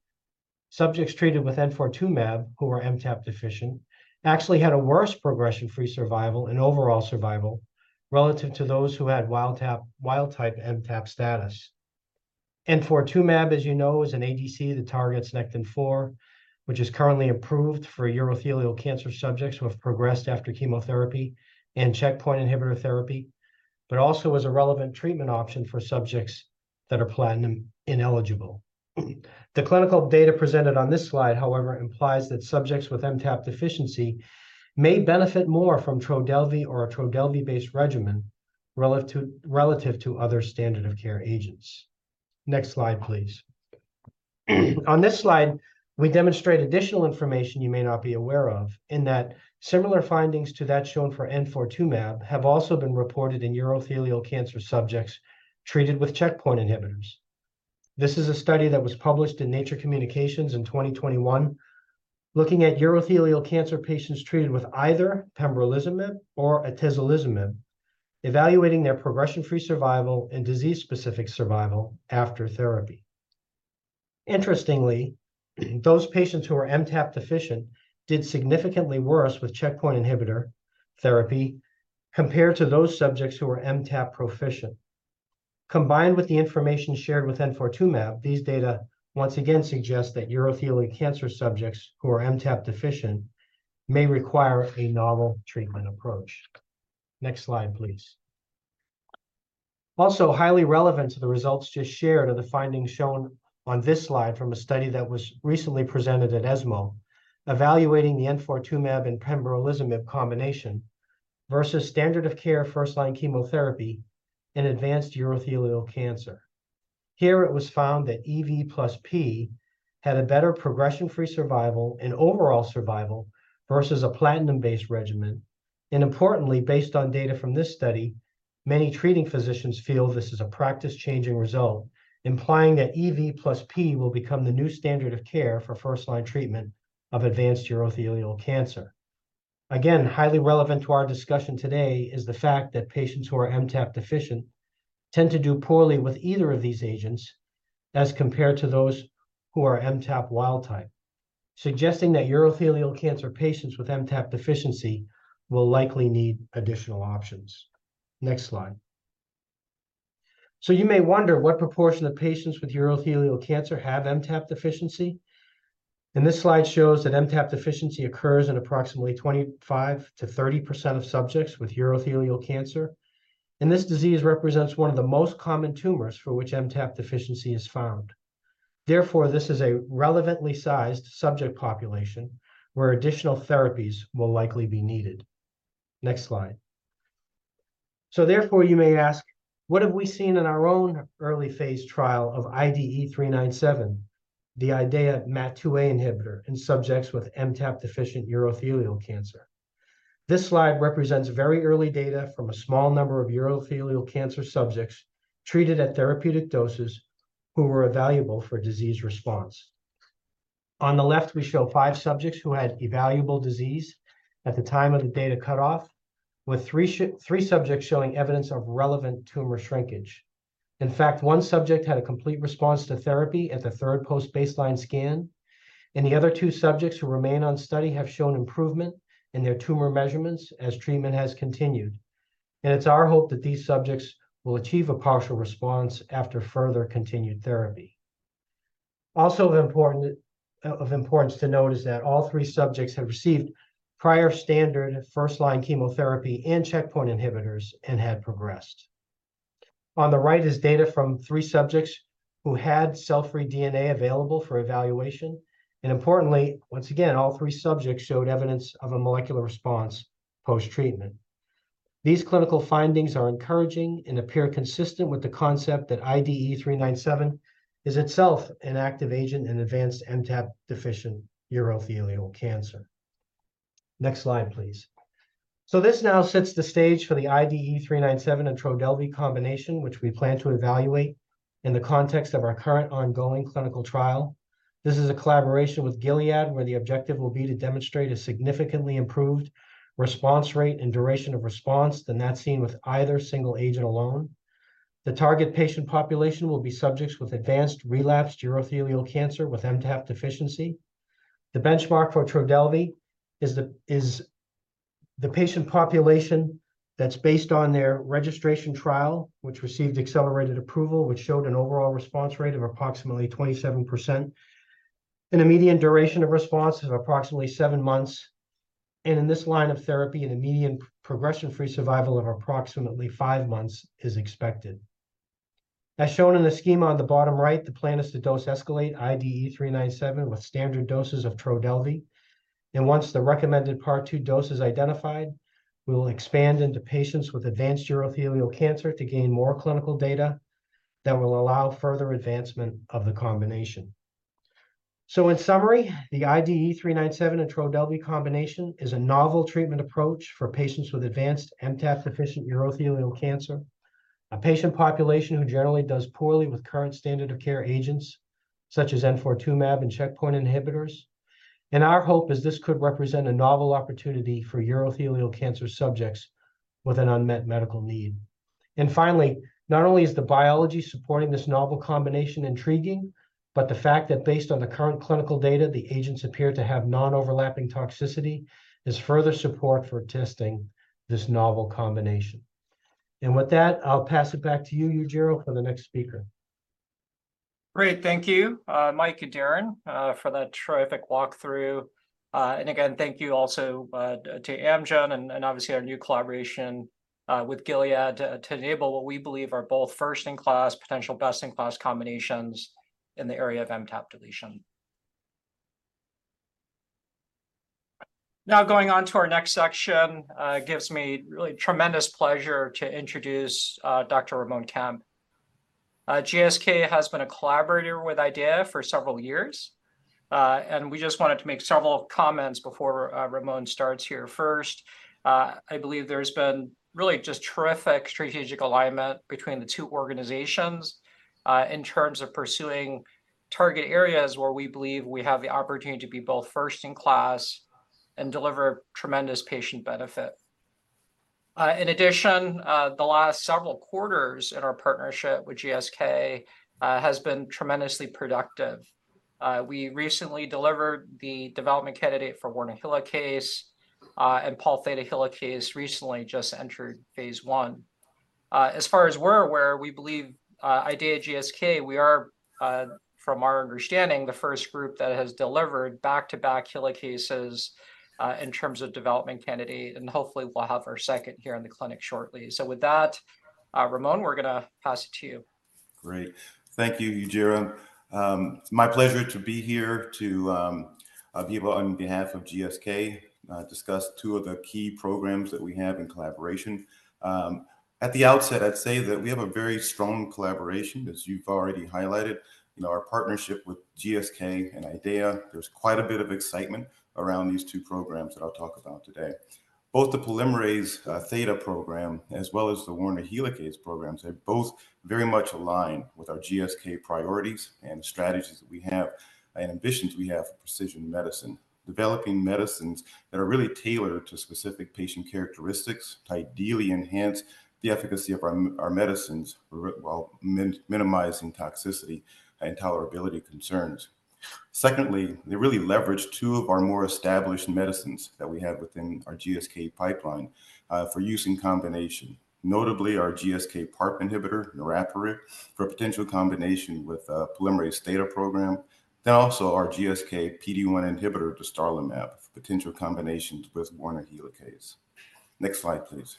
subjects treated with enfortumab, who were MTAP-deficient, actually had a worse progression-free survival and overall survival relative to those who had wild type, wild type MTAP status. Enfortumab, as you know, is an ADC that targets Nectin-4, which is currently approved for urothelial cancer subjects who have progressed after chemotherapy and checkpoint inhibitor therapy, but also is a relevant treatment option for subjects that are platinum ineligible. The clinical data presented on this slide, however, implies that subjects with MTAP deficiency may benefit more from Trodelvy or a Trodelvy-based regimen relative to other standard of care agents. Next slide, please. On this slide, we demonstrate additional information you may not be aware of, in that similar findings to that shown for enfortumab have also been reported in urothelial cancer subjects treated with checkpoint inhibitors. This is a study that was published in Nature Communications in 2021, looking at urothelial cancer patients treated with either pembrolizumab or atezolizumab, evaluating their progression-free survival and disease-specific survival after therapy. Interestingly, those patients who are MTAP-deficient did significantly worse with checkpoint inhibitor therapy compared to those subjects who were MTAP proficient. Combined with the information shared with enfortumab, these data once again suggest that urothelial cancer subjects who are MTAP-deficient may require a novel treatment approach. Next slide, please. Also, highly relevant to the results just shared are the findings shown on this slide from a study that was recently presented at ESMO, evaluating the enfortumab vedotin and pembrolizumab combination versus standard of care first-line chemotherapy in advanced urothelial cancer. Here it was found that EV + P had a better progression-free survival and overall survival versus a platinum-based regimen, and importantly, based on data from this study, many treating physicians feel this is a practice-changing result, implying that EV + P will become the new standard of care for first-line treatment of advanced urothelial cancer. Again, highly relevant to our discussion today is the fact that patients who are MTAP-deficient tend to do poorly with either of these agents as compared to those who are MTAP wild type, suggesting that urothelial cancer patients with MTAP deficiency will likely need additional options. Next slide. So you may wonder what proportion of patients with urothelial cancer have MTAP deficiency? And this slide shows that MTAP deficiency occurs in approximately 25%-30% of subjects with urothelial cancer, and this disease represents one of the most common tumors for which MTAP deficiency is found. Therefore, this is a relevantly sized subject population where additional therapies will likely be needed. Next slide. So therefore, you may ask, what have we seen in our own early phase trial of IDE397, the IDEAYA MAT2A inhibitor in subjects with MTAP-deficient urothelial cancer? This slide represents very early data from a small number of urothelial cancer subjects treated at therapeutic doses who were evaluable for disease response. On the left, we show five subjects who had evaluable disease at the time of the data cutoff, with three subjects showing evidence of relevant tumor shrinkage. In fact, one subject had a complete response to therapy at the third post-baseline scan, and the other two subjects who remain on study have shown improvement in their tumor measurements as treatment has continued, and it's our hope that these subjects will achieve a partial response after further continued therapy. Also of importance to note is that all three subjects had received prior standard first-line chemotherapy and checkpoint inhibitors and had progressed. On the right is data from three subjects who had cell-free DNA available for evaluation, and importantly, once again, all three subjects showed evidence of a molecular response posttreatment. These clinical findings are encouraging and appear consistent with the concept that IDE397 is itself an active agent in advanced MTAP-deficient urothelial cancer. Next slide, please. So this now sets the stage for the IDE397 and Trodelvy combination, which we plan to evaluate in the context of our current ongoing clinical trial. This is a collaboration with Gilead, where the objective will be to demonstrate a significantly improved response rate and duration of response than that seen with either single agent alone. The target patient population will be subjects with advanced relapsed urothelial cancer with MTAP deficiency. The benchmark for Trodelvy is the patient population that's based on their registration trial, which received accelerated approval, which showed an overall response rate of approximately 27% and a median duration of response of approximately seven months. In this line of therapy, a median progression-free survival of approximately five months is expected. As shown in the schema on the bottom right, the plan is to dose escalate IDE397 with standard doses of Trodelvy, and once the recommended Part 2 dose is identified, we will expand into patients with advanced urothelial cancer to gain more clinical data that will allow further advancement of the combination. In summary, the IDE397 and Trodelvy combination is a novel treatment approach for patients with advanced MTAP-deficient urothelial cancer, a patient population who generally does poorly with current standard of care agents, such as enfortumab and checkpoint inhibitors. Our hope is this could represent a novel opportunity for urothelial cancer subjects with an unmet medical need. And finally, not only is the biology supporting this novel combination intriguing, but the fact that based on the current clinical data, the agents appear to have non-overlapping toxicity, is further support for testing this novel combination. And with that, I'll pass it back to you, Yujiro, for the next speaker. Great. Thank you, Mike and Darrin, for that terrific walkthrough. And again, thank you also to Amgen and, obviously, our new collaboration with Gilead to enable what we believe are both first-in-class, potential best-in-class combinations in the area of MTAP deletion. Now, going on to our next section gives me really tremendous pleasure to introduce Dr. Ramon Kemp. GSK has been a collaborator with IDEAYA for several years, and we just wanted to make several comments before Ramon starts here. First, I believe there's been really just terrific strategic alignment between the two organizations in terms of pursuing target areas where we believe we have the opportunity to be both first-in-class and deliver tremendous patient benefit. In addition, the last several quarters in our partnership with GSK has been tremendously productive. We recently delivered the development candidate for Werner helicase, and Pol theta helicase recently just entered phase I. As far as we're aware, we believe, IDEAYA GSK, we are, from our understanding, the first group that has delivered back-to-back helicases, in terms of development candidate, and hopefully, we'll have our second here in the clinic shortly. So with that, Ramon, we're gonna pass it to you. Great. Thank you, Yujiro. It's my pleasure to be here to be on behalf of GSK, discuss two of the key programs that we have in collaboration. At the outset, I'd say that we have a very strong collaboration, as you've already highlighted. In our partnership with GSK and IDEAYA, there's quite a bit of excitement around these two programs that I'll talk about today. Both the polymerase theta program, as well as the Werner helicase programs, they both very much align with our GSK priorities and strategies that we have, and ambitions we have for precision medicine. Developing medicines that are really tailored to specific patient characteristics to ideally enhance the efficacy of our medicines, well, minimizing toxicity and tolerability concerns. Secondly, they really leverage two of our more established medicines that we have within our GSK pipeline for use in combination, notably our GSK PARP inhibitor, niraparib, for a potential combination with polymerase theta program. Then also our GSK PD-1 inhibitor, dostarlimab, for potential combinations with Werner helicase. Next slide, please.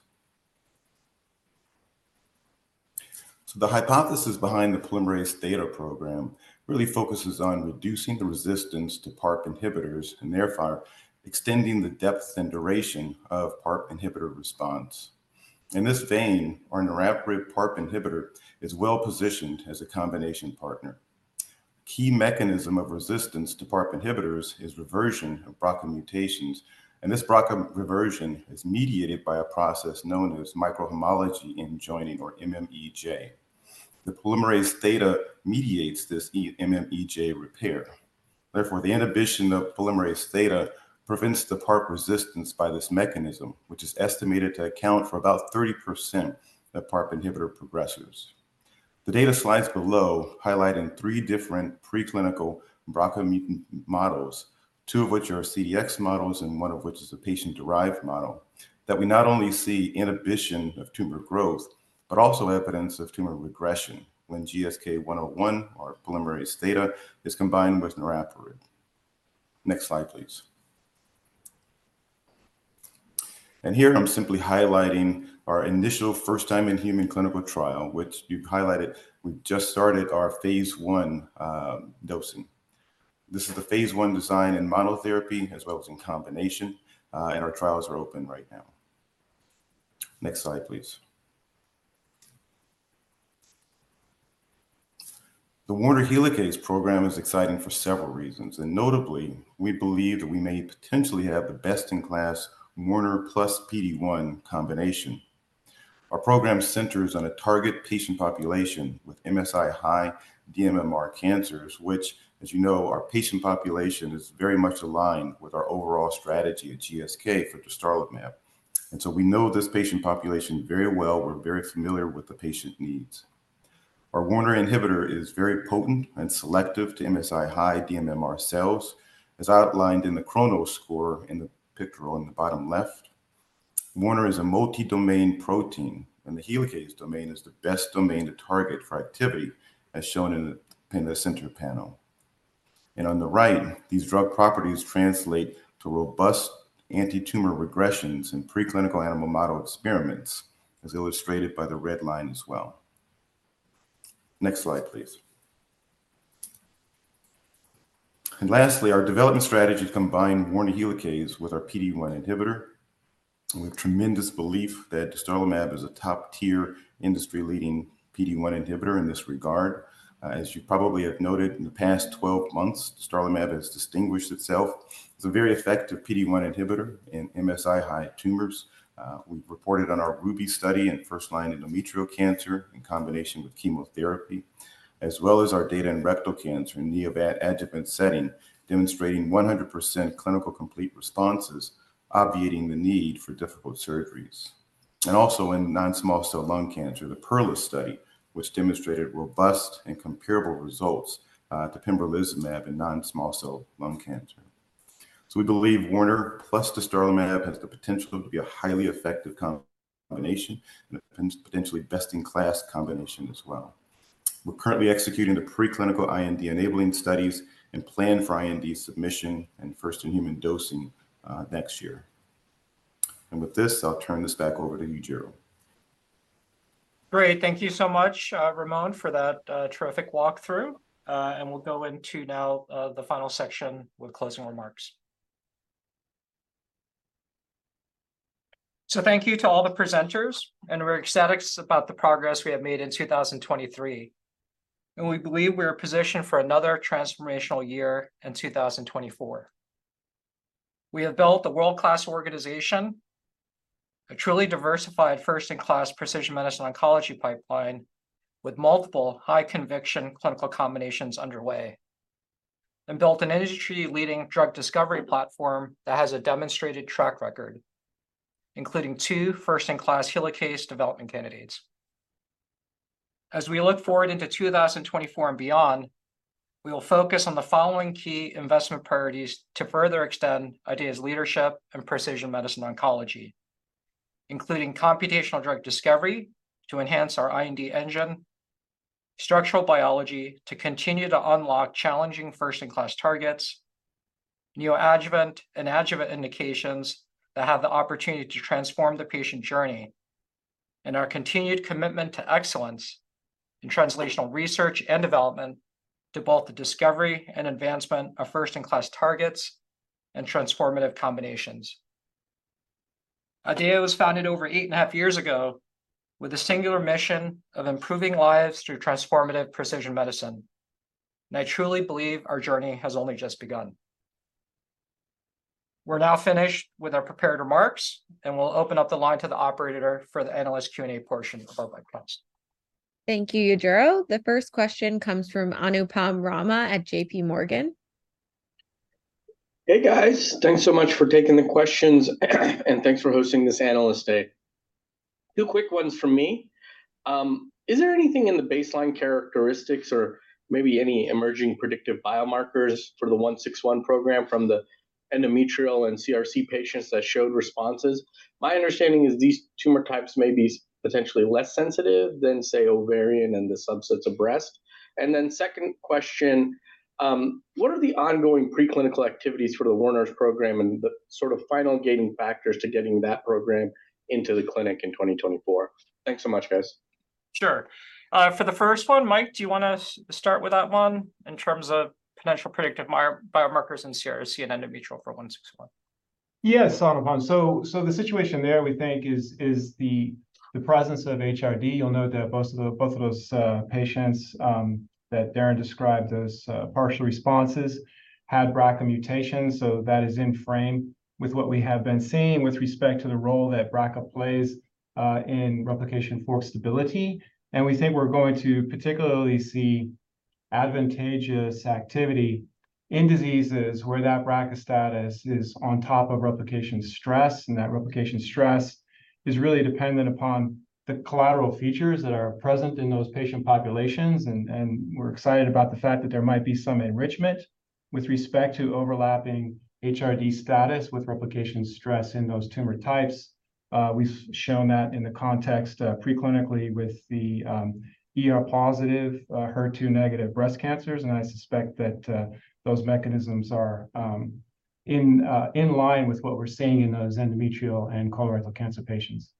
So the hypothesis behind the polymerase theta program really focuses on reducing the resistance to PARP inhibitors, and therefore, extending the depth and duration of PARP inhibitor response. In this vein, our niraparib PARP inhibitor is well-positioned as a combination partner. Key mechanism of resistance to PARP inhibitors is reversion of BRCA mutations, and this BRCA reversion is mediated by a process known as microhomology-mediated end joining, or MMEJ. The polymerase theta mediates this MMEJ repair. Therefore, the inhibition of polymerase theta prevents the PARP resistance by this mechanism, which is estimated to account for about 30% of PARP inhibitor progressors. The data slides below, highlighting three different preclinical BRCA mutant models, two of which are CDX models, and one of which is a patient-derived model, that we not only see inhibition of tumor growth, but also evidence of tumor regression when GSK101, or polymerase theta, is combined with niraparib. Next slide, please. Here, I'm simply highlighting our initial first time in human clinical trial, which you've highlighted. We've just started our phase I dosing. This is the phase I design in monotherapy, as well as in combination, and our trials are open right now. Next slide, please. The Werner helicase program is exciting for several reasons, and notably, we believe that we may potentially have the best-in-class Werner plus PD-1 combination. Our program centers on a target patient population with MSI-High dMMR cancers, which, as you know, our patient population is very much aligned with our overall strategy at GSK for dostarlimab. And so we know this patient population very well. We're very familiar with the patient needs. Our Werner inhibitor is very potent and selective to MSI-High dMMR cells, as outlined in the Chronos score in the picture on the bottom left. Werner is a multi-domain protein, and the helicase domain is the best domain to target for activity, as shown in the center panel. And on the right, these drug properties translate to robust antitumor regressions in preclinical animal model experiments, as illustrated by the red line as well. Next slide, please. Lastly, our development strategy to combine Werner helicase with our PD-1 inhibitor, with tremendous belief that dostarlimab is a top-tier, industry-leading PD-1 inhibitor in this regard. As you probably have noted, in the past 12 months, dostarlimab has distinguished itself as a very effective PD-1 inhibitor in MSI-High tumors. We've reported on our RUBY study in first-line endometrial cancer in combination with chemotherapy, as well as our data in rectal cancer, in neoadjuvant setting, demonstrating 100% clinical complete responses, obviating the need for difficult surgeries. Also, in non-small cell lung cancer, the PERLA study, which demonstrated robust and comparable results to pembrolizumab in non-small cell lung cancer. We believe Werner + dostarlimab has the potential to be a highly effective combination, and potentially best-in-class combination as well. We're currently executing the preclinical IND-enabling studies, and plan for IND submission and first-in-human dosing next year. And with this, I'll turn this back over to you, Yujiro. Great, thank you so much, Ramon, for that terrific walkthrough. And we'll go into now the final section with closing remarks. So thank you to all the presenters, and we're ecstatic about the progress we have made in 2023. And we believe we're positioned for another transformational year in 2024. We have built a world-class organization, a truly diversified, first-in-class precision medicine oncology pipeline, with multiple high-conviction clinical combinations underway, and built an industry-leading drug discovery platform that has a demonstrated track record, including two first-in-class helicase development candidates. As we look forward into 2024 and beyond, we will focus on the following key investment priorities to further extend IDEAYA's leadership in precision medicine oncology, including computational drug discovery to enhance our IND engine, structural biology to continue to unlock challenging first-in-class targets, neoadjuvant and adjuvant indications that have the opportunity to transform the patient journey, and our continued commitment to excellence in translational research and development to both the discovery and advancement of first-in-class targets and transformative combinations. IDEAYA was founded over eight and a half years ago with a singular mission of improving lives through transformative precision medicine, and I truly believe our journey has only just begun. We're now finished with our prepared remarks, and we'll open up the line to the operator for the analyst Q&A portion of our webcast. Thank you, Yujiro. The first question comes from Anupam Rama at J.P. Morgan. Hey, guys. Thanks so much for taking the questions, and thanks for hosting this Analyst Day. Two quick ones from me. Is there anything in the baseline characteristics or maybe any emerging predictive biomarkers for the 161 program from the endometrial and CRC patients that showed responses? My understanding is these tumor types may be potentially less sensitive than, say, ovarian and the subsets of breast. And then second question, what are the ongoing preclinical activities for the Werner's program and the sort of final gating factors to getting that program into the clinic in 2024? Thanks so much, guys. Sure. For the first one, Mike, do you wanna start with that one, in terms of potential predictive biomarkers in CRC and endometrial for 161? Yes, Anupam. So the situation there, we think, is the presence of HRD. You'll note that both of the, both of those patients that Darrin described as partial responses had BRCA mutations, so that is in frame with what we have been seeing with respect to the role that BRCA plays in replication fork stability. And we think we're going to particularly see advantageous activity in diseases where that BRCA status is on top of replication stress, and that replication stress is really dependent upon the collateral features that are present in those patient populations. And we're excited about the fact that there might be some enrichment with respect to overlapping HRD status with replication stress in those tumor types. We've shown that in the context, preclinically with the ER-positive, HER2-negative breast cancers, and I suspect that those mechanisms are in line with what we're seeing in those endometrial and colorectal cancer patients.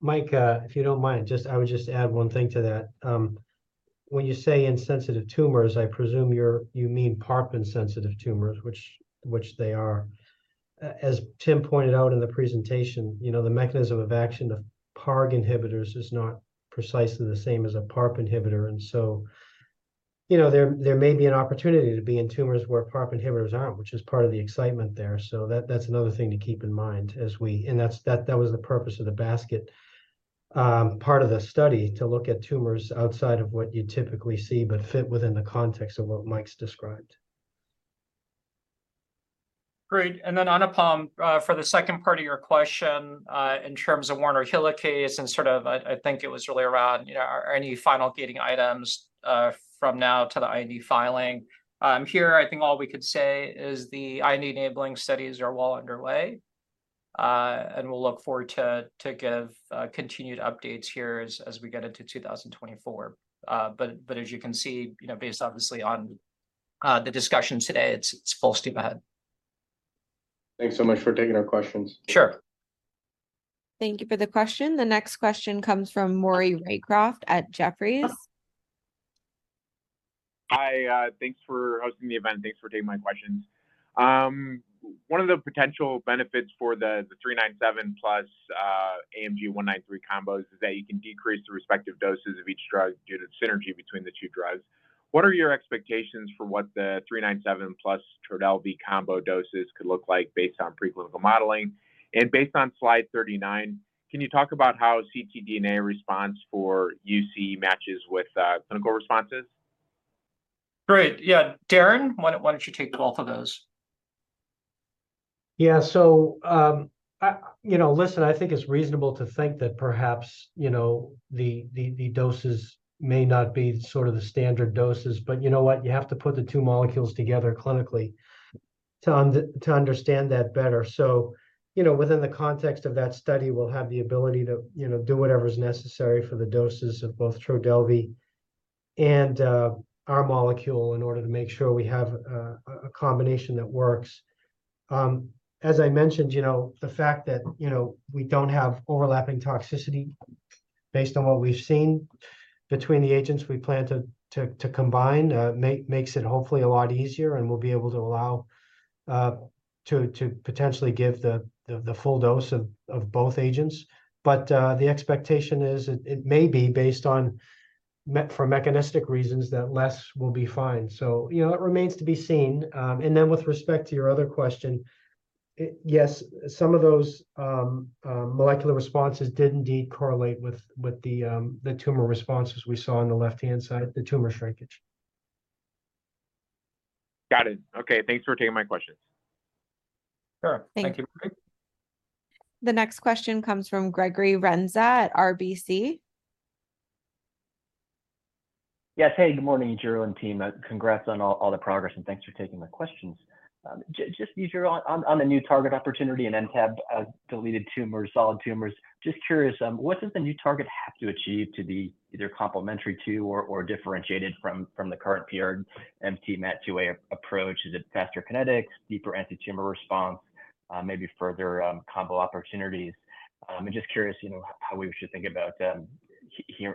Mike, if you don't mind, just I would just add one thing to that. When you say insensitive tumors, I presume you mean PARP-insensitive tumors, which they are. As Tim pointed out in the presentation, you know, the mechanism of action of PARG inhibitors is not precisely the same as a PARP inhibitor. And so, you know, there may be an opportunity to be in tumors where PARP inhibitors aren't, which is part of the excitement there. So that's another thing to keep in mind as we and that's the purpose of the basket part of the study, to look at tumors outside of what you typically see, but fit within the context of what Mike's described. Great. And then, Anupam, for the second part of your question, in terms of Werner helicase, and sort of, I think it was really around, you know, are, are any final gating items, from now to the IND filing? Here, I think all we could say is the IND-enabling studies are well underway, and we'll look forward to, to give, continued updates here as, as we get into 2024. But, but as you can see, you know, based obviously on, the discussion today, it's full steam ahead. Thanks so much for taking our questions. Sure. Thank you for the question. The next question comes from Maury Raycroft at Jefferies. Hi, thanks for hosting the event. Thanks for taking my questions. One of the potential benefits for the 397 plus AMG 193 combos is that you can decrease the respective doses of each drug due to synergy between the two drugs. What are your expectations for what the 397 plus Trodelvy combo doses could look like based on preclinical modeling? And based on slide 39, can you talk about how ctDNA response for UC matches with clinical responses? Great, yeah. Darrin, why don't you take both of those? Yeah, so, you know, listen, I think it's reasonable to think that perhaps, you know, the doses may not be sort of the standard doses. But you know what? You have to put the two molecules together clinically to understand that better. So, you know, within the context of that study, we'll have the ability to, you know, do whatever's necessary for the doses of both Trodelvy and our molecule in order to make sure we have a combination that works. As I mentioned, you know, the fact that, you know, we don't have overlapping toxicity based on what we've seen between the agents we plan to combine makes it hopefully a lot easier. And we'll be able to allow to potentially give the full dose of both agents. But, the expectation is it may be based on mechanistic reasons that less will be fine. So, you know, it remains to be seen. And then with respect to your other question, yes, some of those molecular responses did indeed correlate with the tumor responses we saw on the left-hand side, the tumor shrinkage. Got it. Okay, thanks for taking my questions. Sure. Thanks. Thank you, Maury. The next question comes from Gregory Renza at RBC. Yes. Hey, good morning, Yujiro and team. Congrats on all the progress, and thanks for taking the questions. Just Yujiro, on the new target opportunity and then MTAP-deleted tumors, solid tumors, just curious, what does the new target have to achieve to be either complementary to or differentiated from the current PRMT5 MAT2A approach? Is it faster kinetics, deeper anti-tumor response, maybe further combo opportunities? I'm just curious, you know, how we should think about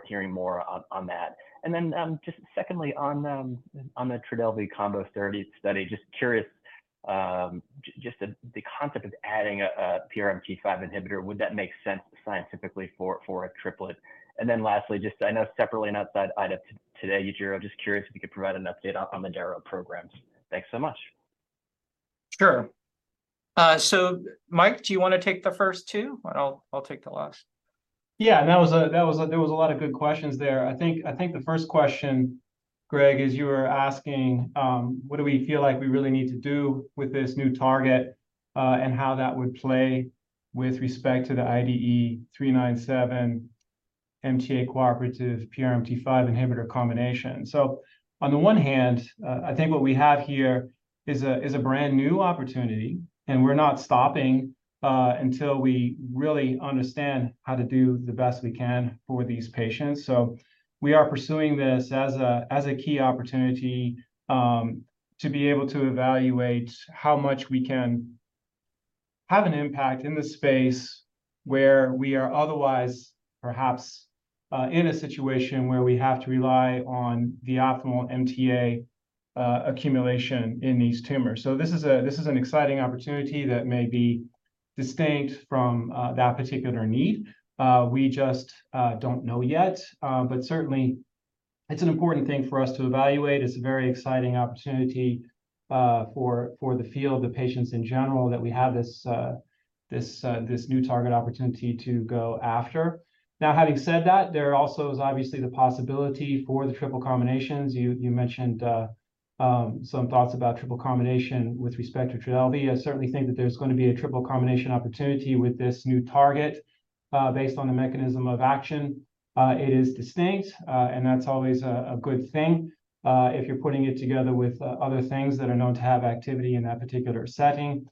hearing more on that. And then, just secondly, on the Trodelvy combo study, just curious, just the concept of adding a PRMT5 inhibitor, would that make sense scientifically for a triplet? And then lastly, just I know separately and outside item today, Yujiro, just curious if you could provide an update on, on the daro programs. Thanks so much. Sure. So, Mike, do you wanna take the first two, and I'll take the last? Yeah, that was a lot of good questions there. I think the first question, Greg, is you were asking what do we feel like we really need to do with this new target and how that would play with respect to the IDE397 MTA cooperative PRMT5 inhibitor combination. So on the one hand, I think what we have here is a brand-new opportunity, and we're not stopping until we really understand how to do the best we can for these patients. So we are pursuing this as a key opportunity to be able to evaluate how much we can have an impact in the space, where we are otherwise perhaps in a situation where we have to rely on the optimal MTA accumulation in these tumors. So this is an exciting opportunity that may be distinct from that particular need. We just don't know yet. But certainly, it's an important thing for us to evaluate. It's a very exciting opportunity for the field, the patients in general, that we have this new target opportunity to go after. Now, having said that, there also is obviously the possibility for the triple combinations. You mentioned some thoughts about triple combination with respect to Trodelvy. I certainly think that there's gonna be a triple combination opportunity with this new target based on the mechanism of action. It is distinct, and that's always a good thing if you're putting it together with other things that are known to have activity in that particular setting.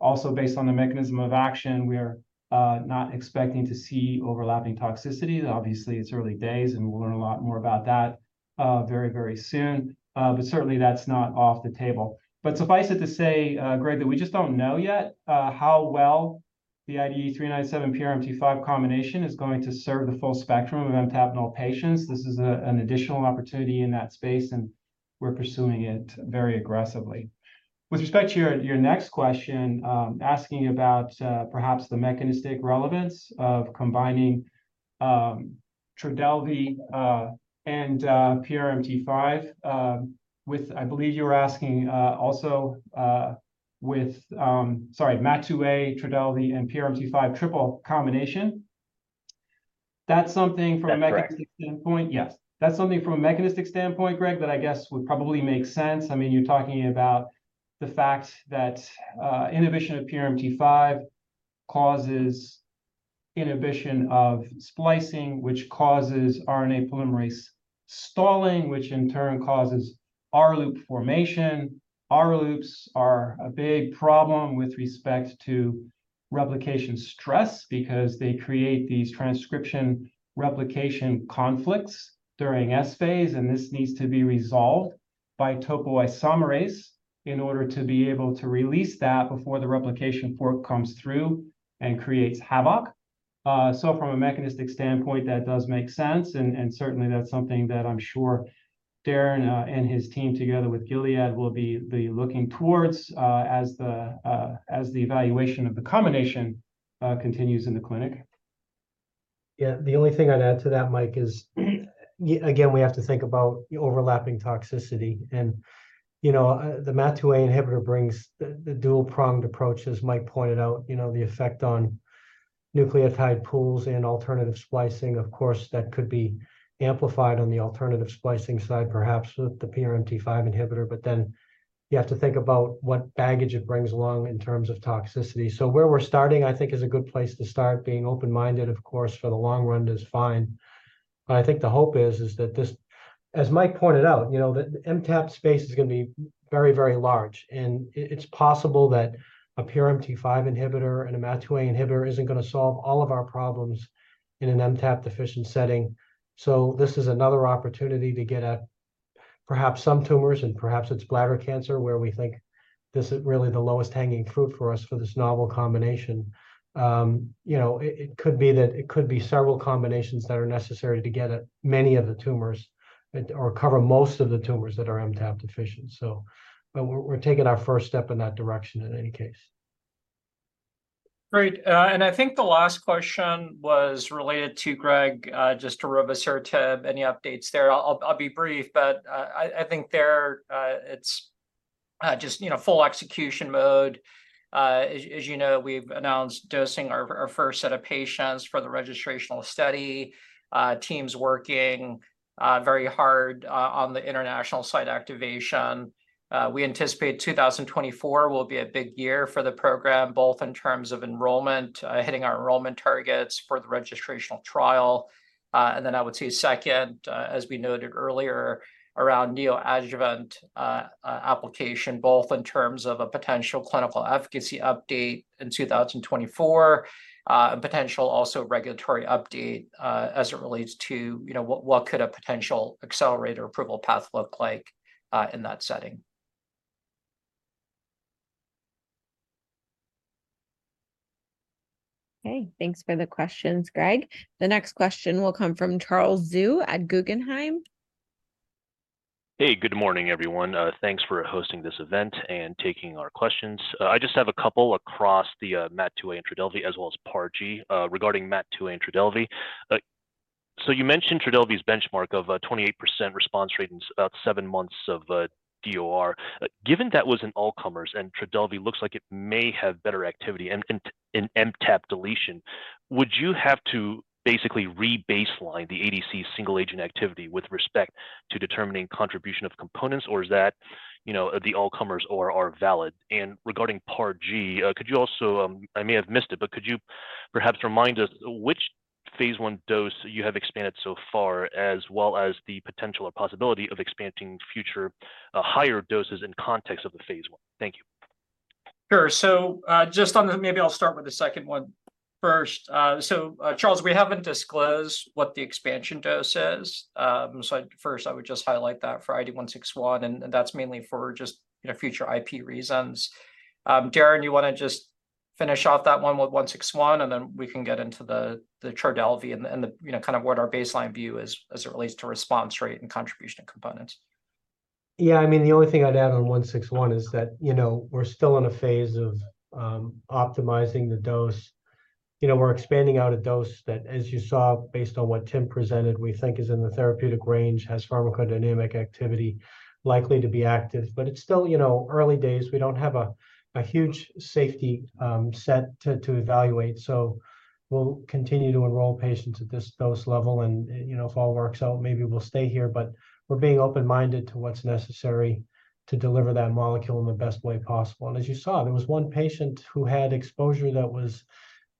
Also, based on the mechanism of action, we are not expecting to see overlapping toxicities. Obviously, it's early days, and we'll learn a lot more about that very, very soon. But certainly, that's not off the table. But suffice it to say, Greg, that we just don't know yet how well the IDE397 PRMT5 combination is going to serve the full spectrum of MTAP-null patients. This is an additional opportunity in that space, and we're pursuing it very aggressively. With respect to your next question, asking about perhaps the mechanistic relevance of combining Trodelvy and PRMT5 with-- I believe you were asking also with, sorry, MAT2A, Trodelvy, and PRMT5 triple combination. That's something from a mechanistic standpoint. Yes, that's something from a mechanistic standpoint, Greg, that I guess would probably make sense. I mean, you're talking about the fact that inhibition of PRMT5 causes inhibition of splicing, which causes RNA polymerase stalling, which in turn causes R-loop formation. R-loops are a big problem with respect to replication stress, because they create these transcription replication conflicts during S-phase, and this needs to be resolved by topoisomerase in order to be able to release that before the replication fork comes through and creates havoc. So from a mechanistic standpoint, that does make sense, and certainly that's something that I'm sure Darrin and his team, together with Gilead, will be looking towards as the evaluation of the combination continues in the clinic. Yeah, the only thing I'd add to that, Mike, is again, we have to think about the overlapping toxicity. And, you know, the MAT2A inhibitor brings the dual-pronged approach, as Mike pointed out, you know, the effect on nucleotide pools and alternative splicing. Of course, that could be amplified on the alternative splicing side, perhaps with the PRMT5 inhibitor. But then you have to think about what baggage it brings along in terms of toxicity. So where we're starting, I think, is a good place to start. Being open-minded, of course, for the long run is fine. But I think the hope is that this, as Mike pointed out, you know, the MTAP space is gonna be very, very large. And it, it's possible that a PRMT5 inhibitor and a MAT2A inhibitor isn't gonna solve all of our problems in an MTAP-deficient setting. So this is another opportunity to get at perhaps some tumors, and perhaps it's bladder cancer, where we think this is really the lowest-hanging fruit for us for this novel combination. You know, it could be that it could be several combinations that are necessary to get at many of the tumors, or cover most of the tumors that are MTAP deficient. But we're taking our first step in that direction in any case. Great. I think the last question was related to Greg, just to darovasertib. Any updates there? I'll be brief, but I think it's just, you know, full execution mode. As you know, we've announced dosing our first set of patients for the registrational study. Teams working very hard on the international site activation. We anticipate 2024 will be a big year for the program, both in terms of enrollment, hitting our enrollment targets for the registrational trial. And then I would say second, as we noted earlier, around neoadjuvant application, both in terms of a potential clinical efficacy update in 2024, and potential also regulatory update, as it relates to, you know, what, what could a potential accelerated approval path look like, in that setting? Okay, thanks for the questions, Greg. The next question will come from Charles Zhu at Guggenheim. Hey, good morning, everyone. Thanks for hosting this event and taking our questions. I just have a couple across the, MAT2A and Trodelvy, as well as PARG. Regarding MAT2A and Trodelvy, so you mentioned Trodelvy's benchmark of, 28% response rate in about seven months of, DOR. Given that was an all-comers, and Trodelvy looks like it may have better activity in MTAP deletion, would you have to basically re-baseline the ADC single-agent activity with respect to determining contribution of components, or is that, you know, the all-comers OR are valid? And regarding PARG, could you also--I may have missed it, but could you perhaps remind us which phase I dose you have expanded so far, as well as the potential or possibility of expanding future, higher doses in context of the phase I? Thank you. Sure. So, maybe I'll start with the second one first. So, Charles, we haven't disclosed what the expansion dose is. So first, I would just highlight that for IDE161, and that's mainly for just, you know, future IP reasons. Darrin, you wanna just finish off that one with IDE161, and then we can get into the Trodelvy and the, you know, kind of what our baseline view is as it relates to response rate and contribution of components. Yeah, I mean, the only thing I'd add on 161 is that, you know, we're still in a phase of optimizing the dose. You know, we're expanding out a dose that, as you saw, based on what Tim presented, we think is in the therapeutic range, has pharmacodynamic activity, likely to be active. But it's still, you know, early days. We don't have a huge safety set to evaluate, so we'll continue to enroll patients at this dose level. And, you know, if all works out, maybe we'll stay here. But we're being open-minded to what's necessary to deliver that molecule in the best way possible. And as you saw, there was one patient who had exposure that was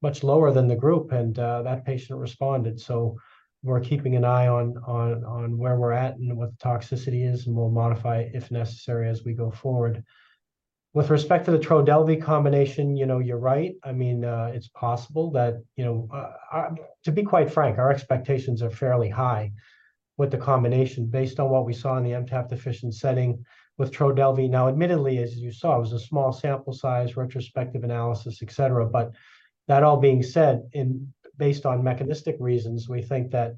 much lower than the group, and that patient responded. So we're keeping an eye on where we're at and what the toxicity is, and we'll modify if necessary as we go forward. With respect to the Trodelvy combination, you know, you're right. I mean, it's possible that, you know-- To be quite frank, our expectations are fairly high with the combination, based on what we saw in the MTAP-deficient setting with Trodelvy. Now, admittedly, as you saw, it was a small sample size, retrospective analysis, et cetera. But that all being said, and based on mechanistic reasons, we think that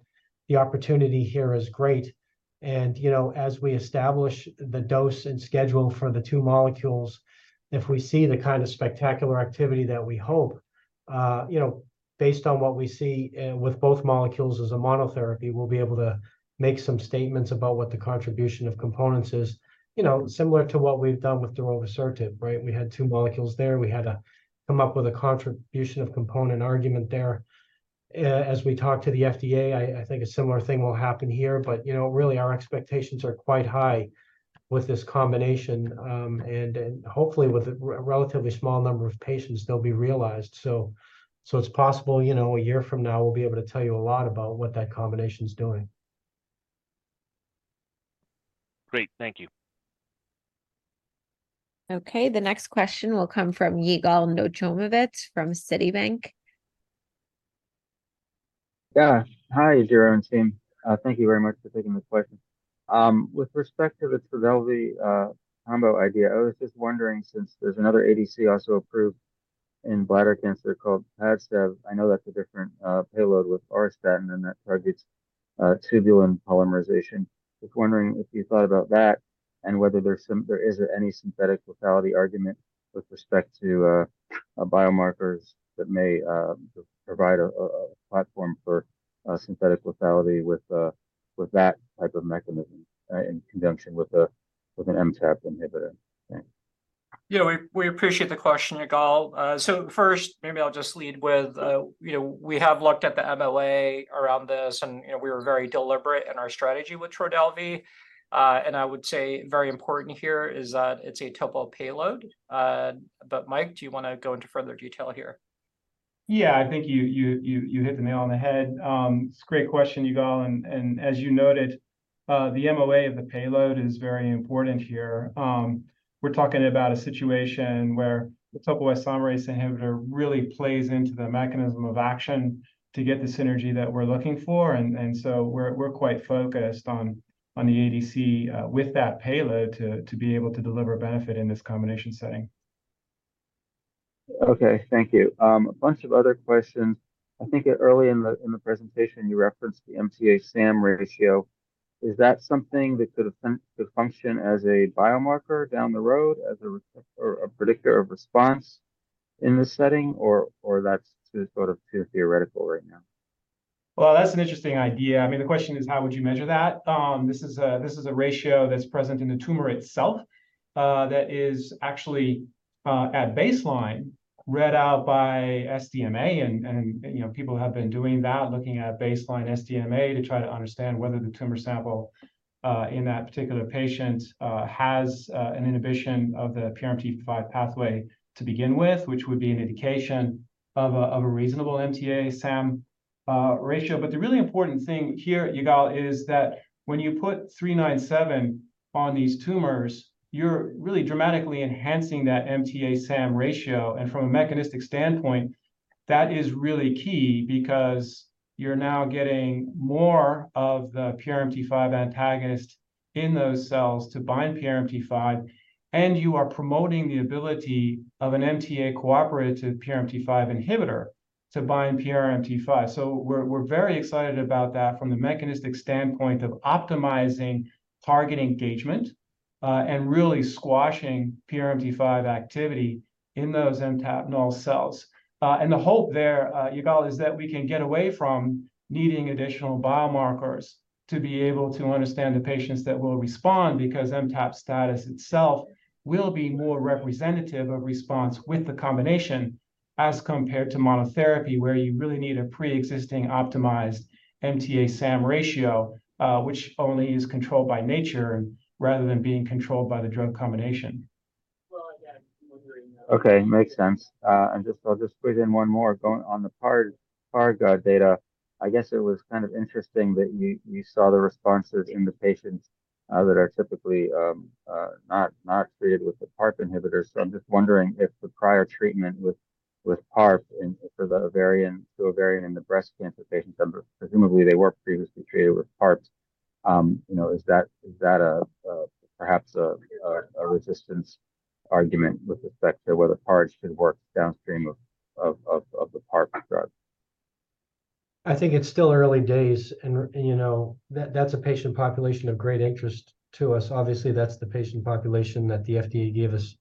the opportunity here is great. You know, as we establish the dose and schedule for the two molecules, if we see the kind of spectacular activity that we hope, you know, based on what we see with both molecules as a monotherapy, we'll be able to make some statements about what the contribution of components is. You know, similar to what we've done with darovasertib, right? We had two molecules there. We had to come up with a contribution of component argument there. As we talk to the FDA, I think a similar thing will happen here, but, you know, really, our expectations are quite high with this combination. And hopefully, with a relatively small number of patients, they'll be realized. So it's possible, you know, a year from now, we'll be able to tell you a lot about what that combination's doing. Great. Thank you. Okay, the next question will come from Yigal Nochomovitz from Citibank. Yeah. Hi, Yujiro and team. Thank you very much for taking this question. With respect to the Trodelvy combo idea, I was just wondering, since there's another ADC also approved in bladder cancer called Padcev, I know that's a different payload with auristatin, and that targets tubulin polymerization. Just wondering if you thought about that and whether there is any synthetic lethality argument with respect to biomarkers that may provide a platform for synthetic lethality with that type of mechanism in conjunction with an MTAP inhibitor. Thanks. Yeah, we, we appreciate the question, Yigal. So first, maybe I'll just lead with, you know, we have looked at the MOA around this, and, you know, we were very deliberate in our strategy with Trodelvy. And I would say very important here is that it's a topo payload. But, Mike, do you wanna go into further detail here? Yeah, I think you hit the nail on the head. It's a great question, Yigal, and as you noted, the MOA of the payload is very important here. We're talking about a situation where the topoisomerase inhibitor really plays into the mechanism of action to get the synergy that we're looking for, and so we're quite focused on the ADC with that payload to be able to deliver benefit in this combination setting. Okay. Thank you. A bunch of other questions. I think, early in the presentation, you referenced the MTA SAM ratio. Is that something that could function as a biomarker down the road, as a or a predictor of response in this setting, or that's sort of too theoretical right now? Well, that's an interesting idea. I mean, the question is: how would you measure that? This is a ratio that's present in the tumor itself, that is actually at baseline read out by SDMA. And you know, people have been doing that, looking at baseline SDMA, to try to understand whether the tumor sample in that particular patient has an inhibition of the PRMT5 pathway to begin with, which would be an indication of a reasonable MTA SAM ratio. But the really important thing here, Yigal, is that when you put 397 on these tumors, you're really dramatically enhancing that MTA SAM ratio. From a mechanistic standpoint, that is really key because you're now getting more of the PRMT5 antagonist in those cells to bind PRMT5, and you are promoting the ability of an MTA cooperative PRMT5 inhibitor to bind PRMT5. So we're, we're very excited about that from the mechanistic standpoint of optimizing target engagement, and really squashing PRMT5 activity in those MTAP null cells. And the hope there, Yigal, is that we can get away from needing additional biomarkers to be able to understand the patients that will respond, because MTAP status itself will be more representative of response with the combination, as compared to monotherapy, where you really need a pre-existing optimized MTA SAM ratio, which only is controlled by nature, rather than being controlled by the drug combination. Okay, makes sense. And just- I'll just put in one more. Going on the PARP, data, I guess it was kind of interesting that you saw the responses in the patients, that are typically, not treated with the PARP inhibitors. So I'm just wondering if the prior treatment with, with PARP in- for the ovarian, to ovarian and the breast cancer patients, presumably they were previously treated with PARPs. You know, is that a, perhaps a resistance argument with respect to whether PARPs should work downstream of the PARP drug? I think it's still early days and, you know, that's a patient population of great interest to us. Obviously, that's the patient population that the FDA gave us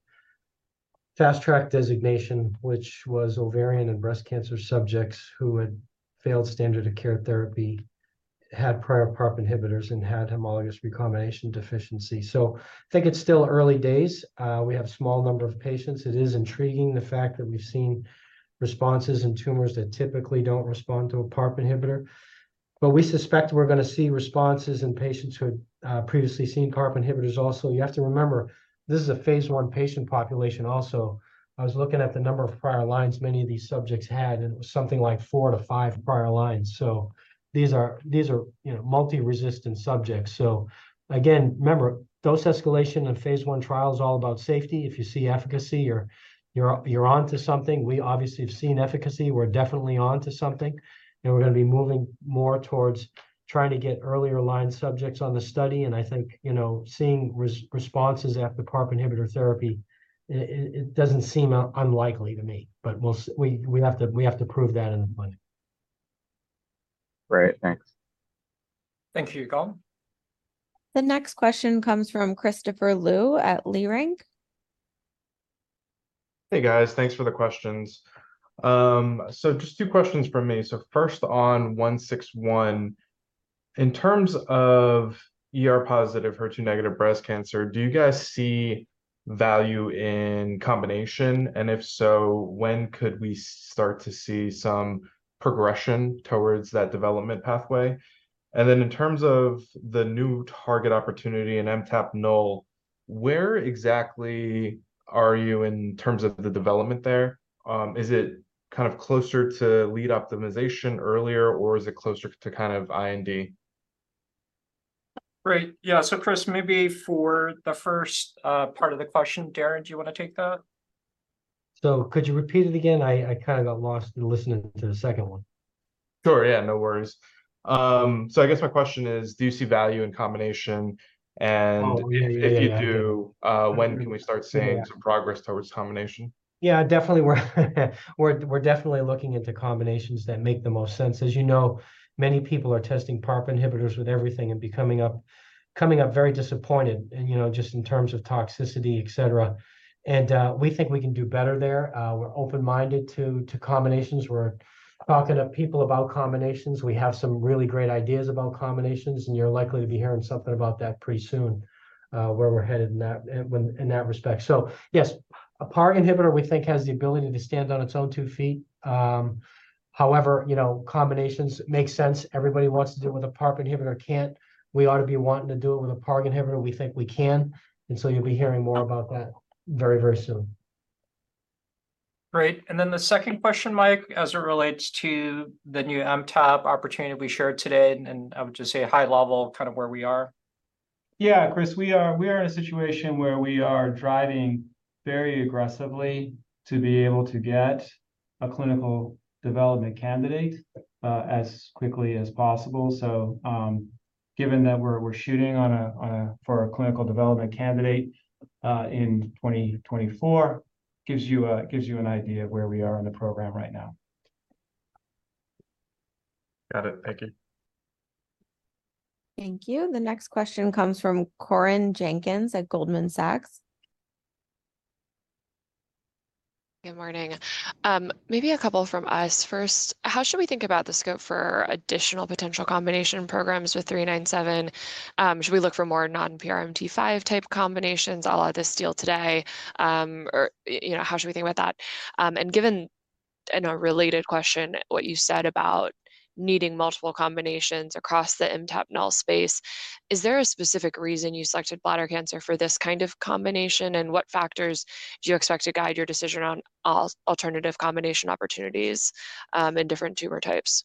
fast track designation, which was ovarian and breast cancer subjects who had failed standard of care therapy, had prior PARP inhibitors, and had homologous recombination deficiency. So I think it's still early days. We have small number of patients. It is intriguing, the fact that we've seen responses in tumors that typically don't respond to a PARP inhibitor. But we suspect we're gonna see responses in patients who had previously seen PARP inhibitors also. You have to remember, this is a phase I patient population also. I was looking at the number of prior lines many of these subjects had, and it was something like four-five prior lines. So these are, you know, multi-resistant subjects. So again, remember, dose escalation in phase I trial is all about safety. If you see efficacy, you're onto something. We obviously have seen efficacy. We're definitely onto something, and we're gonna be moving more towards trying to get earlier line subjects on the study. And I think, you know, seeing responses after PARP inhibitor therapy, it doesn't seem unlikely to me, but we'll, we have to prove that in the study. Great. Thanks. Thank you, Yigal. The next question comes from Christopher Liu at Leerink. Hey, guys. Thanks for the questions. So just two questions from me. So first, on IDE161, in terms of ER-positive, HER2-negative breast cancer, do you guys see value in combination? And if so, when could we start to see some progression towards that development pathway? And then in terms of the new target opportunity in MTAP null. Where exactly are you in terms of the development there? Is it kind of closer to lead optimization earlier, or is it closer to kind of IND? Great. Yeah, so Chris, maybe for the first part of the question, Darrin, do you wanna take that? Could you repeat it again? I kind of got lost listening to the second one. Sure, yeah, no worries. So I guess my question is, do you see value in combination? And if you do, when can we start seeing some progress towards combination? Yeah, definitely we're definitely looking into combinations that make the most sense. As you know, many people are testing PARP inhibitors with everything, and being very disappointed, you know, just in terms of toxicity, et cetera. And we think we can do better there. We're open-minded to combinations. We're talking to people about combinations. We have some really great ideas about combinations, and you're likely to be hearing something about that pretty soon, where we're headed in that respect. So yes, a PARG inhibitor, we think, has the ability to stand on its own two feet. However, you know, combinations make sense. Everybody who wants to do it with a PARP inhibitor can. We ought to be wanting to do it with a PARG inhibitor. We think we can, and so you'll be hearing more about that very, very soon. Great, and then the second question, Mike, as it relates to the new MTAP opportunity we shared today, and I would just say high level, kind of where we are. Yeah, Chris, we are in a situation where we are driving very aggressively to be able to get a clinical development candidate as quickly as possible. So, given that we're shooting for a clinical development candidate in 2024, gives you an idea of where we are in the program right now. Got it. Thank you. Thank you. The next question comes from Corinne Jenkins at Goldman Sachs. Good morning. Maybe a couple from us. First, how should we think about the scope for additional potential combination programs with 397? Should we look for more non-PRMT5 type combinations a la this deal today? Or, you know, how should we think about that? And given, in a related question, what you said about needing multiple combinations across the MTAP null space, is there a specific reason you selected bladder cancer for this kind of combination? And what factors do you expect to guide your decision on alternative combination opportunities, in different tumor types?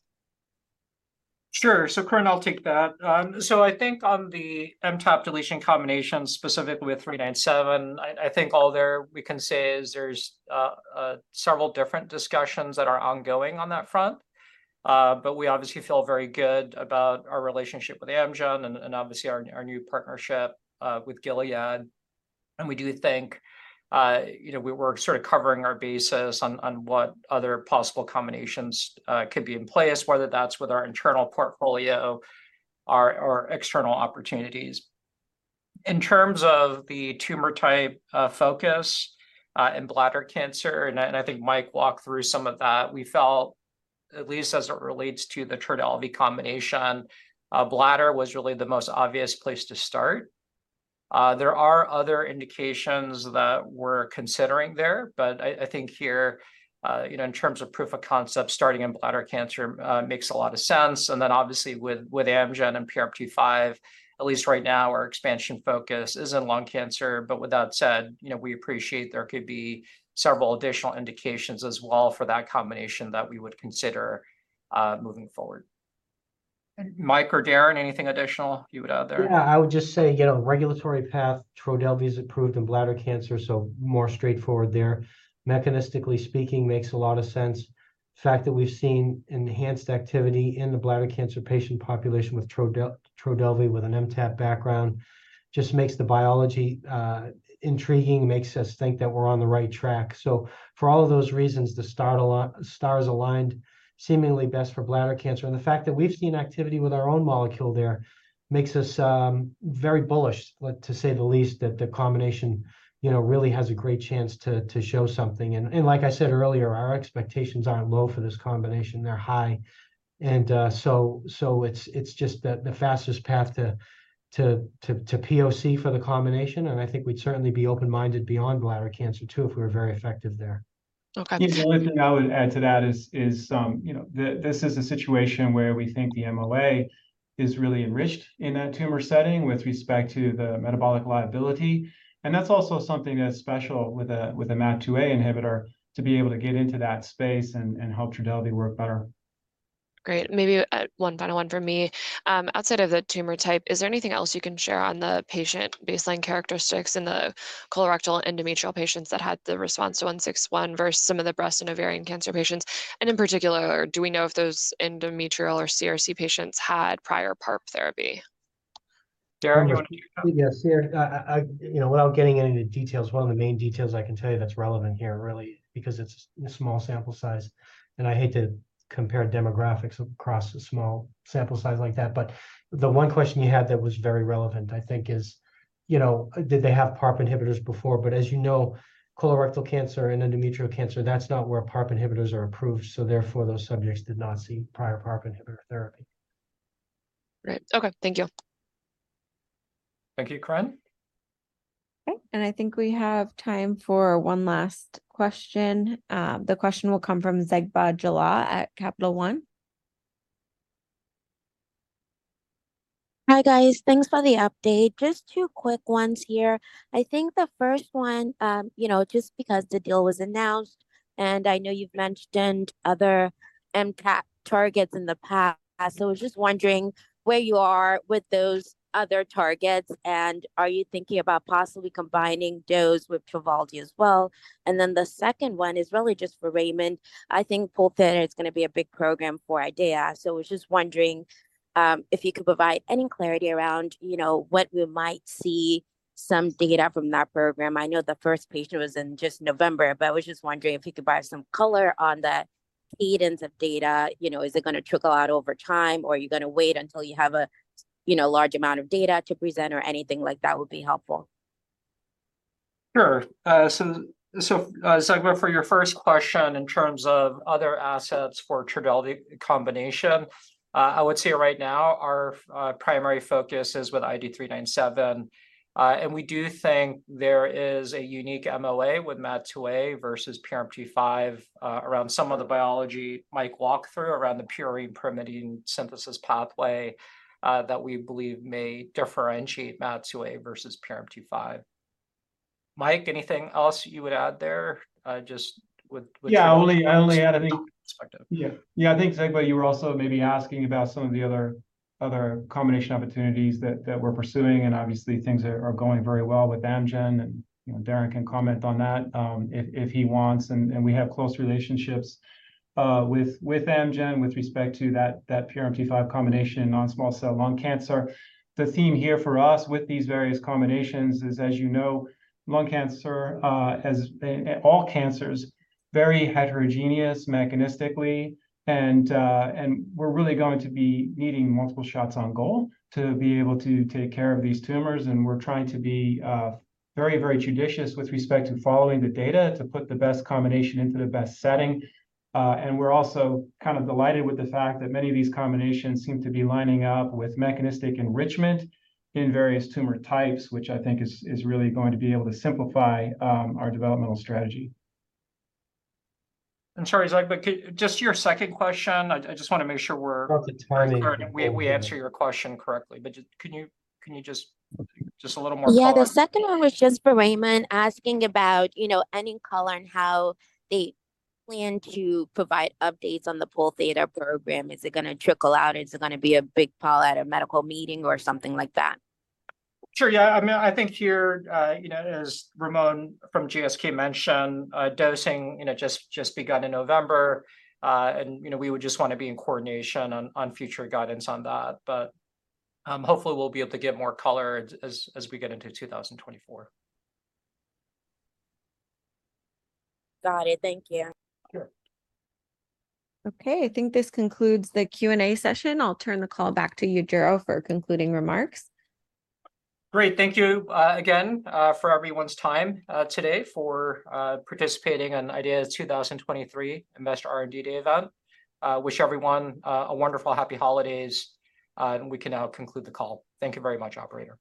Sure. So Corinne, I'll take that. So I think on the MTAP deletion combination, specifically with 397, I think all that we can say is there's several different discussions that are ongoing on that front. But we obviously feel very good about our relationship with Amgen and obviously our new partnership with Gilead. And we do think, you know, we're sort of covering our bases on what other possible combinations could be in place, whether that's with our internal portfolio or external opportunities. In terms of the tumor type focus in bladder cancer, and I think Mike walked through some of that, we felt, at least as it relates to the Trodelvy combination, bladder was really the most obvious place to start. There are other indications that we're considering there, but I think here, you know, in terms of proof of concept, starting in bladder cancer makes a lot of sense. And then obviously with Amgen and PRMT5, at least right now, our expansion focus is in lung cancer. But with that said, you know, we appreciate there could be several additional indications as well for that combination that we would consider moving forward. Mike or Darrin, anything additional you would add there? Yeah, I would just say, you know, regulatory path, Trodelvy is approved in bladder cancer, so more straightforward there. Mechanistically speaking, makes a lot of sense. The fact that we've seen enhanced activity in the bladder cancer patient population with Trodelvy, with an MTAP background, just makes the biology intriguing, makes us think that we're on the right track. So for all of those reasons, the stars aligned seemingly best for bladder cancer. And the fact that we've seen activity with our own molecule there makes us very bullish, to say the least, that the combination, you know, really has a great chance to show something. And like I said earlier, our expectations aren't low for this combination, they're high. So it's just the fastest path to POC for the combination, and I think we'd certainly be open-minded beyond bladder cancer too, if we're very effective there. Okay. The only thing I would add to that is, you know, this is a situation where we think the MOA is really enriched in that tumor setting, with respect to the metabolic liability. And that's also something that's special with a MAT2A inhibitor, to be able to get into that space and help Trodelvy work better. Great. Maybe, one final one from me. Outside of the tumor type, is there anything else you can share on the patient baseline characteristics in the colorectal and endometrial patients that had the response to 161, versus some of the breast and ovarian cancer patients? And in particular, do we know if those endometrial or CRC patients had prior PARP therapy? Darrin, do you wanna-- Yes, yeah, you know, without getting into the details, one of the main details I can tell you that's relevant here, really, because it's a small sample size, and I hate to compare demographics across a small sample size like that. But the one question you had that was very relevant, I think, is, you know, did they have PARP inhibitors before? But as you know, colorectal cancer and endometrial cancer, that's not where PARP inhibitors are approved, so therefore, those subjects did not see prior PARP inhibitor therapy. Great. Okay, thank you. Thank you, Corinne. Okay, and I think we have time for one last question. The question will come from Zegbeh Jallah at Capital One. Hi, guys. Thanks for the update. Just two quick ones here. I think the first one, you know, just because the deal was announced, and I know you've mentioned other MTAP targets in the past. So I was just wondering where you are with those other targets, and are you thinking about possibly combining those with Trodelvy as well? And then the second one is really just for Ramon. I think Pol theta is gonna be a big program for IDEAYA. So I was just wondering, if you could provide any clarity around, you know, what we might see some data from that program. I know the first patient was in just November, but I was just wondering if you could provide some color on the cadence of data. You know, is it gonna trickle out over time, or are you gonna wait until you have a, you know, large amount of data to present, or anything like that would be helpful? Sure. So, Zegbeh, for your first question, in terms of other assets for Trodelvy combination, I would say right now, our primary focus is with IDE397. And we do think there is a unique MTA with MAT2A versus PRMT5, around some of the biology Mike walked through, around the purine pyrimidine synthesis pathway, that we believe may differentiate MAT2A versus PRMT5. Mike, anything else you would add there, just with-- Yeah, I only add, I think-- Perspective. Yeah, I think, Zegbeh, you were also maybe asking about some of the other combination opportunities that we're pursuing, and obviously, things are going very well with Amgen, and, you know, Darrin can comment on that, if he wants. And we have close relationships with Amgen with respect to that PRMT5 combination in non-small cell lung cancer. The theme here for us with these various combinations is, as you know, lung cancer has been-- All cancers, very heterogeneous mechanistically, and we're really going to be needing multiple shots on goal to be able to take care of these tumors, and we're trying to be very, very judicious with respect to following the data, to put the best combination into the best setting. And we're also kind of delighted with the fact that many of these combinations seem to be lining up with mechanistic enrichment in various tumor types, which I think is really going to be able to simplify our developmental strategy. I'm sorry, Zegbeh, but just your second question, I just wanna make sure we answer your question correctly. But can you just a little more color? Yeah, the second one was just for Ramon, asking about, you know, any color on how they plan to provide updates on the Pol theta program. Is it gonna trickle out, or is it gonna be a big reveal at a medical meeting, or something like that? Sure, yeah. I mean, I think here, you know, as Ramon from GSK mentioned, dosing, you know, just, just begun in November. You know, we would just wanna be in coordination on, on future guidance on that. But, hopefully, we'll be able to give more color as, as we get into 2024. Got it. Thank you. Sure. Okay, I think this concludes the Q&A session. I'll turn the call back to you, Yujiro, for concluding remarks. Great. Thank you, again, for everyone's time, today, for participating on IDEAYA's 2023 Investor R&D Day event. Wish everyone a wonderful happy holidays, and we can now conclude the call. Thank you very much, operator.